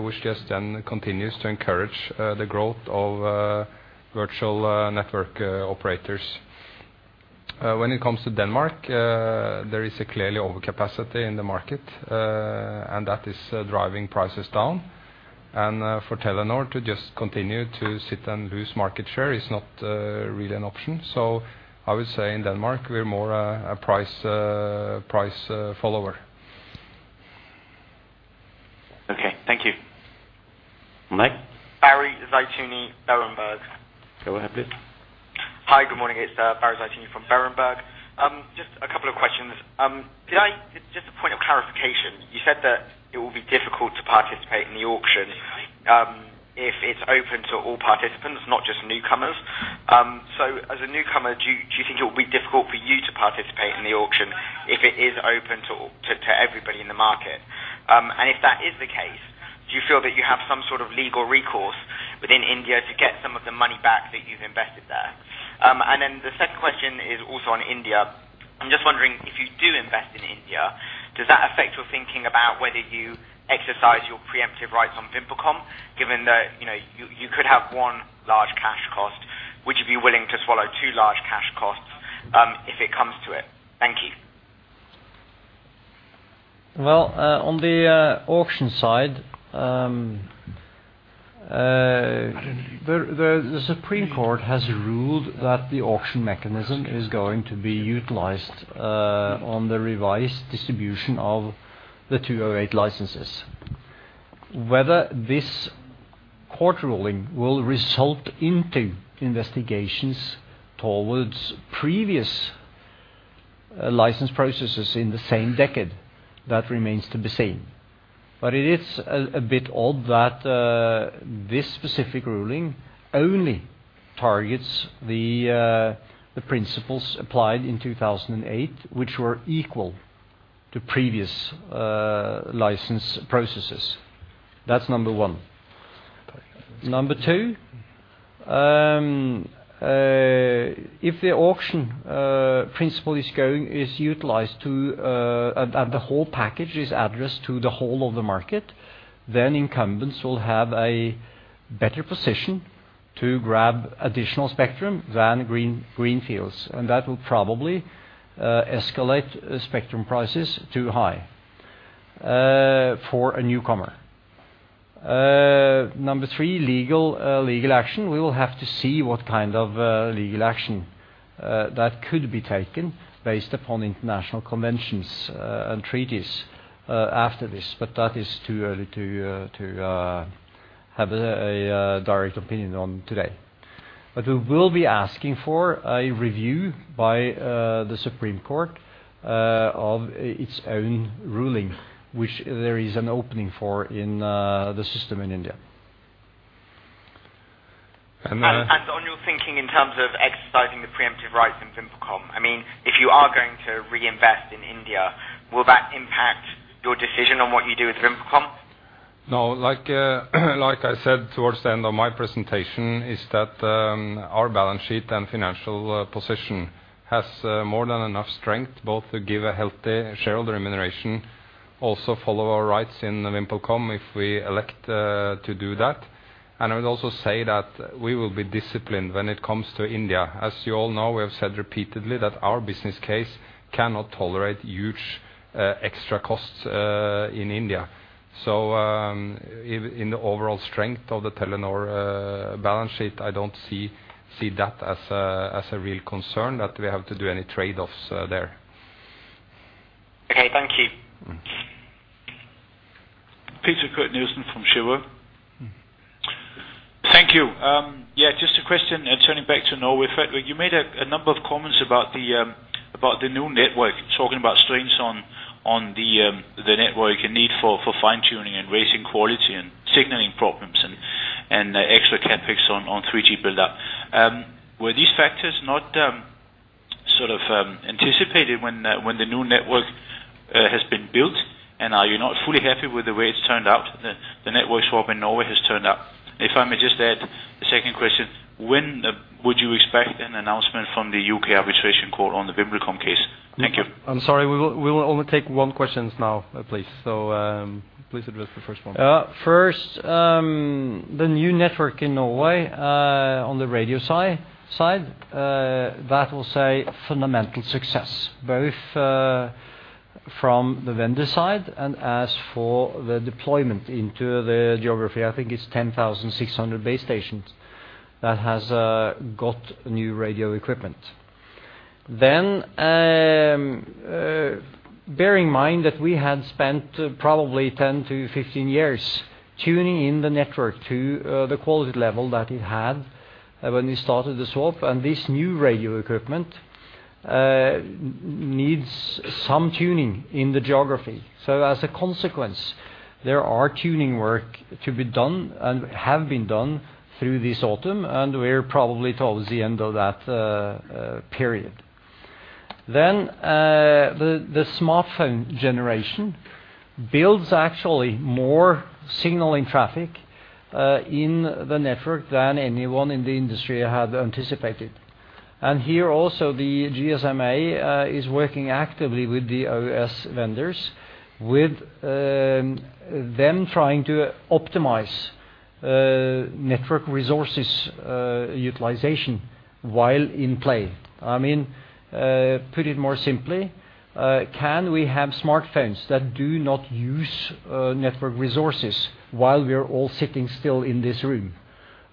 which just then continues to encourage the growth of virtual network operators. When it comes to Denmark, there is a clearly overcapacity in the market, and that is driving prices down. For Telenor to just continue to sit and lose market share is not really an option. So I would say in Denmark, we're more a price follower. Okay, thank you. Next. Barry Zeitoune, Berenberg. Go ahead, please. Hi, good morning. It's Barry Zeitoune from Berenberg. Just a couple of questions. Just a point of clarification, you said that it will be difficult to participate in the auction if it's open to all participants, not just newcomers. So as a newcomer, do you think it will be difficult for you to participate in the auction if it is open to everybody in the market? And if that is the case, do you feel that you have some sort of legal recourse within India to get some of the money back that you've invested there? And then the second question is also on India. I'm just wondering, if you do invest in India, does that affect your thinking about whether you exercise your preemptive rights on VimpelCom, given that, you know, you could have one large cash cost? Would you be willing to swallow two large cash costs, if it comes to it? Thank you. Well, on the auction side, the Supreme Court has ruled that the auction mechanism is going to be utilized on the revised distribution of the 2008 licenses. Whether this court ruling will result into investigations towards previous license processes in the same decade, that remains to be seen. But it is a bit odd that this specific ruling only targets the principles applied in 2008, which were equal to previous license processes. That's number one. Number two, if the auction principle is utilized to, and the whole package is addressed to the whole of the market, then incumbents will have a better position to grab additional spectrum than greenfields, and that will probably escalate spectrum prices too high for a newcomer. Number three, legal action. We will have to see what kind of legal action that could be taken based upon international conventions and treaties after this, but that is too early to have a direct opinion on today. But we will be asking for a review by the Supreme Court of its own ruling, which there is an opening for in the system in India. And then- On your thinking in terms of exercising the preemptive rights in VimpelCom, I mean, if you are going to reinvest in India, will that impact your decision on what you do with VimpelCom? No, like, like I said, towards the end of my presentation, is that, our balance sheet and financial, position has, more than enough strength both to give a healthy shareholder remuneration, also follow our rights in the VimpelCom, if we elect, to do that. And I would also say that we will be disciplined when it comes to India. As you all know, we have said repeatedly that our business case cannot tolerate huge, extra costs, in India. So, in, in the overall strength of the Telenor, balance sheet, I don't see, see that as a, as a real concern, that we have to do any trade-offs, there. Okay, thank you. ... Peter Kurt Nielsen from Schroders. Thank you. Yeah, just a question, turning back to Norway. Fredrik, you made a number of comments about the new network, talking about strains on the network and need for fine-tuning and raising quality and signaling problems and extra CapEx on 3G buildup. Were these factors not sort of anticipated when the new network has been built? And are you not fully happy with the way it's turned out, the network swap in Norway has turned out? If I may just add a second question: When would you expect an announcement from the UK Arbitration Court on the VimpelCom case? Thank you. I'm sorry. We will, we will only take one question now, please. So, please address the first one. First, the new network in Norway, on the radio side, that was a fundamental success, both from the vendor side and as for the deployment into the geography. I think it's 10,600 base stations that has got new radio equipment. Then, bear in mind that we had spent probably 10-15 years tuning in the network to the quality level that it had when we started the swap, and this new radio equipment needs some tuning in the geography. So as a consequence, there are tuning work to be done and have been done through this autumn, and we're probably towards the end of that period. Then, the smartphone generation builds actually more signaling traffic in the network than anyone in the industry had anticipated. And here also, the GSMA is working actively with the OS vendors, with them trying to optimize network resources utilization while in play. I mean, put it more simply, can we have smartphones that do not use network resources while we are all sitting still in this room?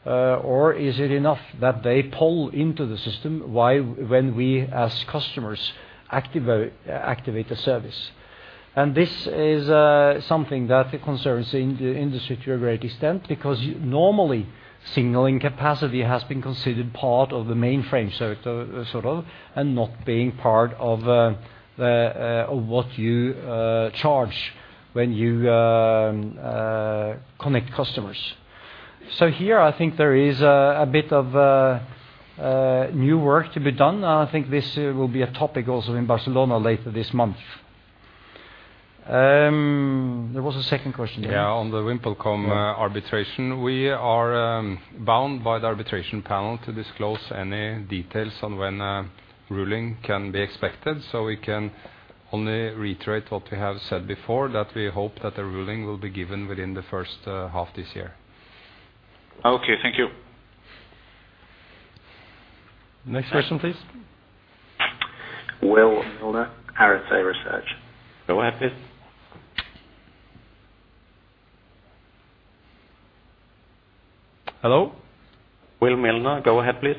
Or is it enough that they pull into the system when we, as customers, activate a service? And this is something that concerns the industry to a great extent, because normally, signaling capacity has been considered part of the mainframe sort of, and not being part of what you charge when you connect customers. So here, I think there is a bit of new work to be done, and I think this will be a topic also in Barcelona later this month. There was a second question. Yeah, on the VimpelCom arbitration. We are bound by the arbitration panel to disclose any details on when a ruling can be expected. So we can only reiterate what we have said before, that we hope that a ruling will be given within the first half this year. Okay, thank you. Next question, please. Will Milner, Arete Research. Go ahead, please. Hello? Will Milner, go ahead, please.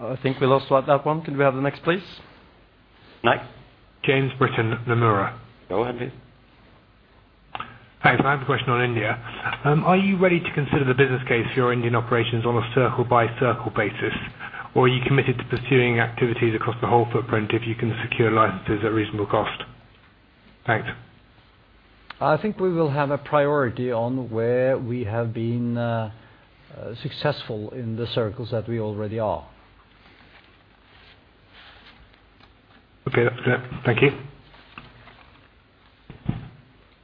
I think we lost that one. Can we have the next, please? Next. James Britton, Nomura. Go ahead, please. Thanks. I have a question on India. Are you ready to consider the business case for your Indian operations on a circle-by-circle basis, or are you committed to pursuing activities across the whole footprint if you can secure licenses at reasonable cost? Thanks. I think we will have a priority on where we have been successful in the circles that we already are. Okay, that's clear. Thank you.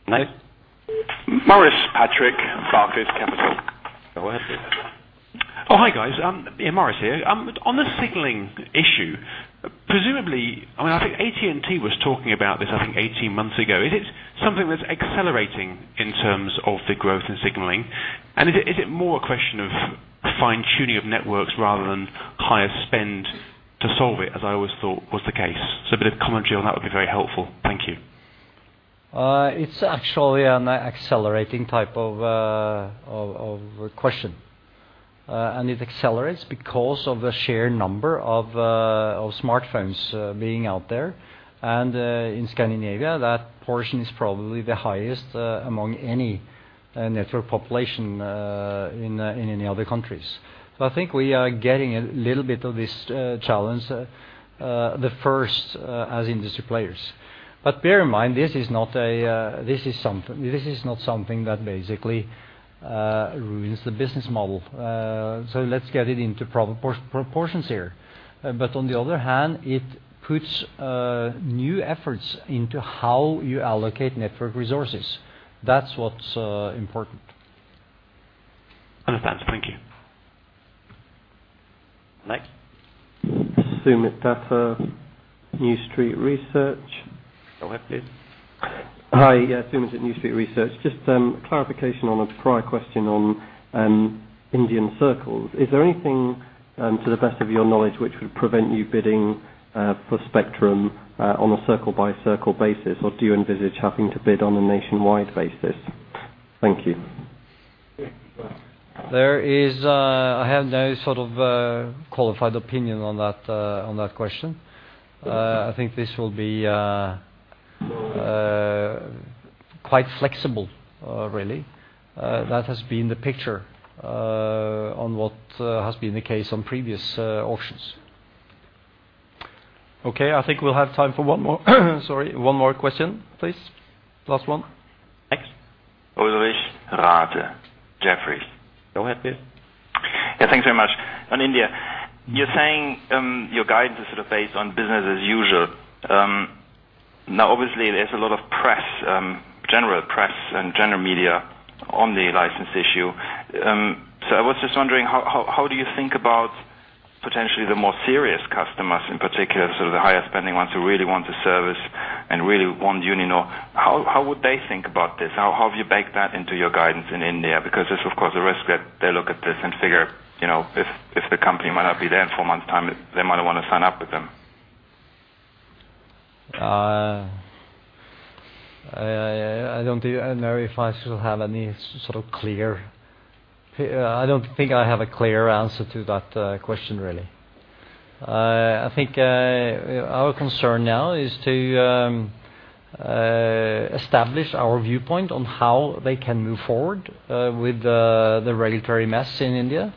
Next. Maurice Patrick, Barclays Capital. Go ahead, please. Oh, hi, guys. Yeah, Maurice here. On the signaling issue, presumably, I mean, I think AT&T was talking about this, I think, 18 months ago. Is it something that's accelerating in terms of the growth in signaling? And is it more a question of fine-tuning of networks rather than higher spend to solve it, as I always thought was the case? So a bit of commentary on that would be very helpful. Thank you. It's actually an accelerating type of question. And it accelerates because of the sheer number of smartphones being out there. And in Scandinavia, that portion is probably the highest among any network population in any other countries. So I think we are getting a little bit of this challenge, the first as industry players. But bear in mind, this is not something that basically ruins the business model. So let's get it into proportions here. But on the other hand, it puts new efforts into how you allocate network resources. That's what's important. Understood. Thank you. Next. Soomit Datta, New Street Research. Go ahead, please. Hi, yeah, Soomit Datta at New Street Research. Just, clarification on a prior question on Indian circles. Is there anything, to the best of your knowledge, which would prevent you bidding for spectrum on a circle-by-circle basis, or do you envisage having to bid on a nationwide basis? Thank you. ...There is, I have no sort of qualified opinion on that, on that question. I think this will be quite flexible, really. That has been the picture on what has been the case on previous auctions. Okay, I think we'll have time for one more, sorry, one more question, please. Last one. Thanks. Ulrich Rathe, Jefferies. Go ahead, please. Yeah, thanks very much. On India, you're saying your guidance is sort of based on business as usual. Now, obviously, there's a lot of press, general press and general media on the license issue. So I was just wondering, how do you think about potentially the more serious customers, in particular, sort of the higher spending ones who really want the service and really want Uninor? How would they think about this? Have you baked that into your guidance in India? Because there's, of course, a risk that they look at this and figure, you know, if the company might not be there in four months' time, they might not want to sign up with them. I don't know if I sort of have any sort of clear... I don't think I have a clear answer to that question, really. I think our concern now is to establish our viewpoint on how they can move forward with the regulatory mess in India,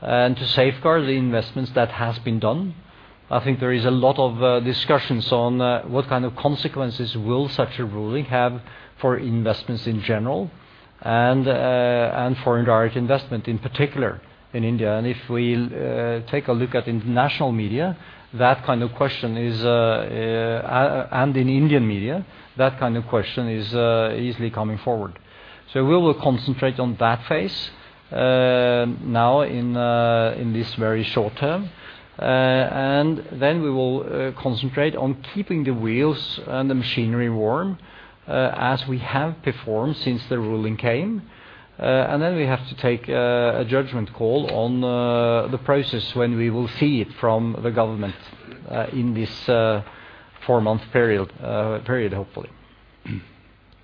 and to safeguard the investments that has been done. I think there is a lot of discussions on what kind of consequences will such a ruling have for investments in general and for indirect investment, in particular, in India. And if we'll take a look at international media, that kind of question is... And in Indian media, that kind of question is easily coming forward. So we will concentrate on that phase, now in this very short term, and then we will concentrate on keeping the wheels and the machinery warm, as we have performed since the ruling came. And then we have to take a judgment call on the process when we will see it from the government, in this four-month period, hopefully.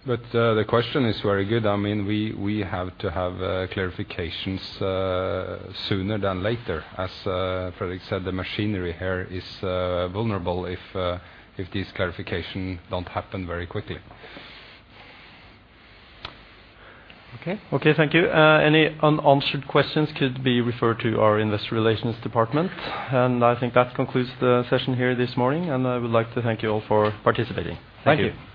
But the question is very good. I mean, we have to have clarifications sooner than later. As Fredrik said, the machinery here is vulnerable if this clarification don't happen very quickly. Okay. Okay, thank you. Any unanswered questions could be referred to our investor relations department, and I think that concludes the session here this morning, and I would like to thank you all for participating. Thank you.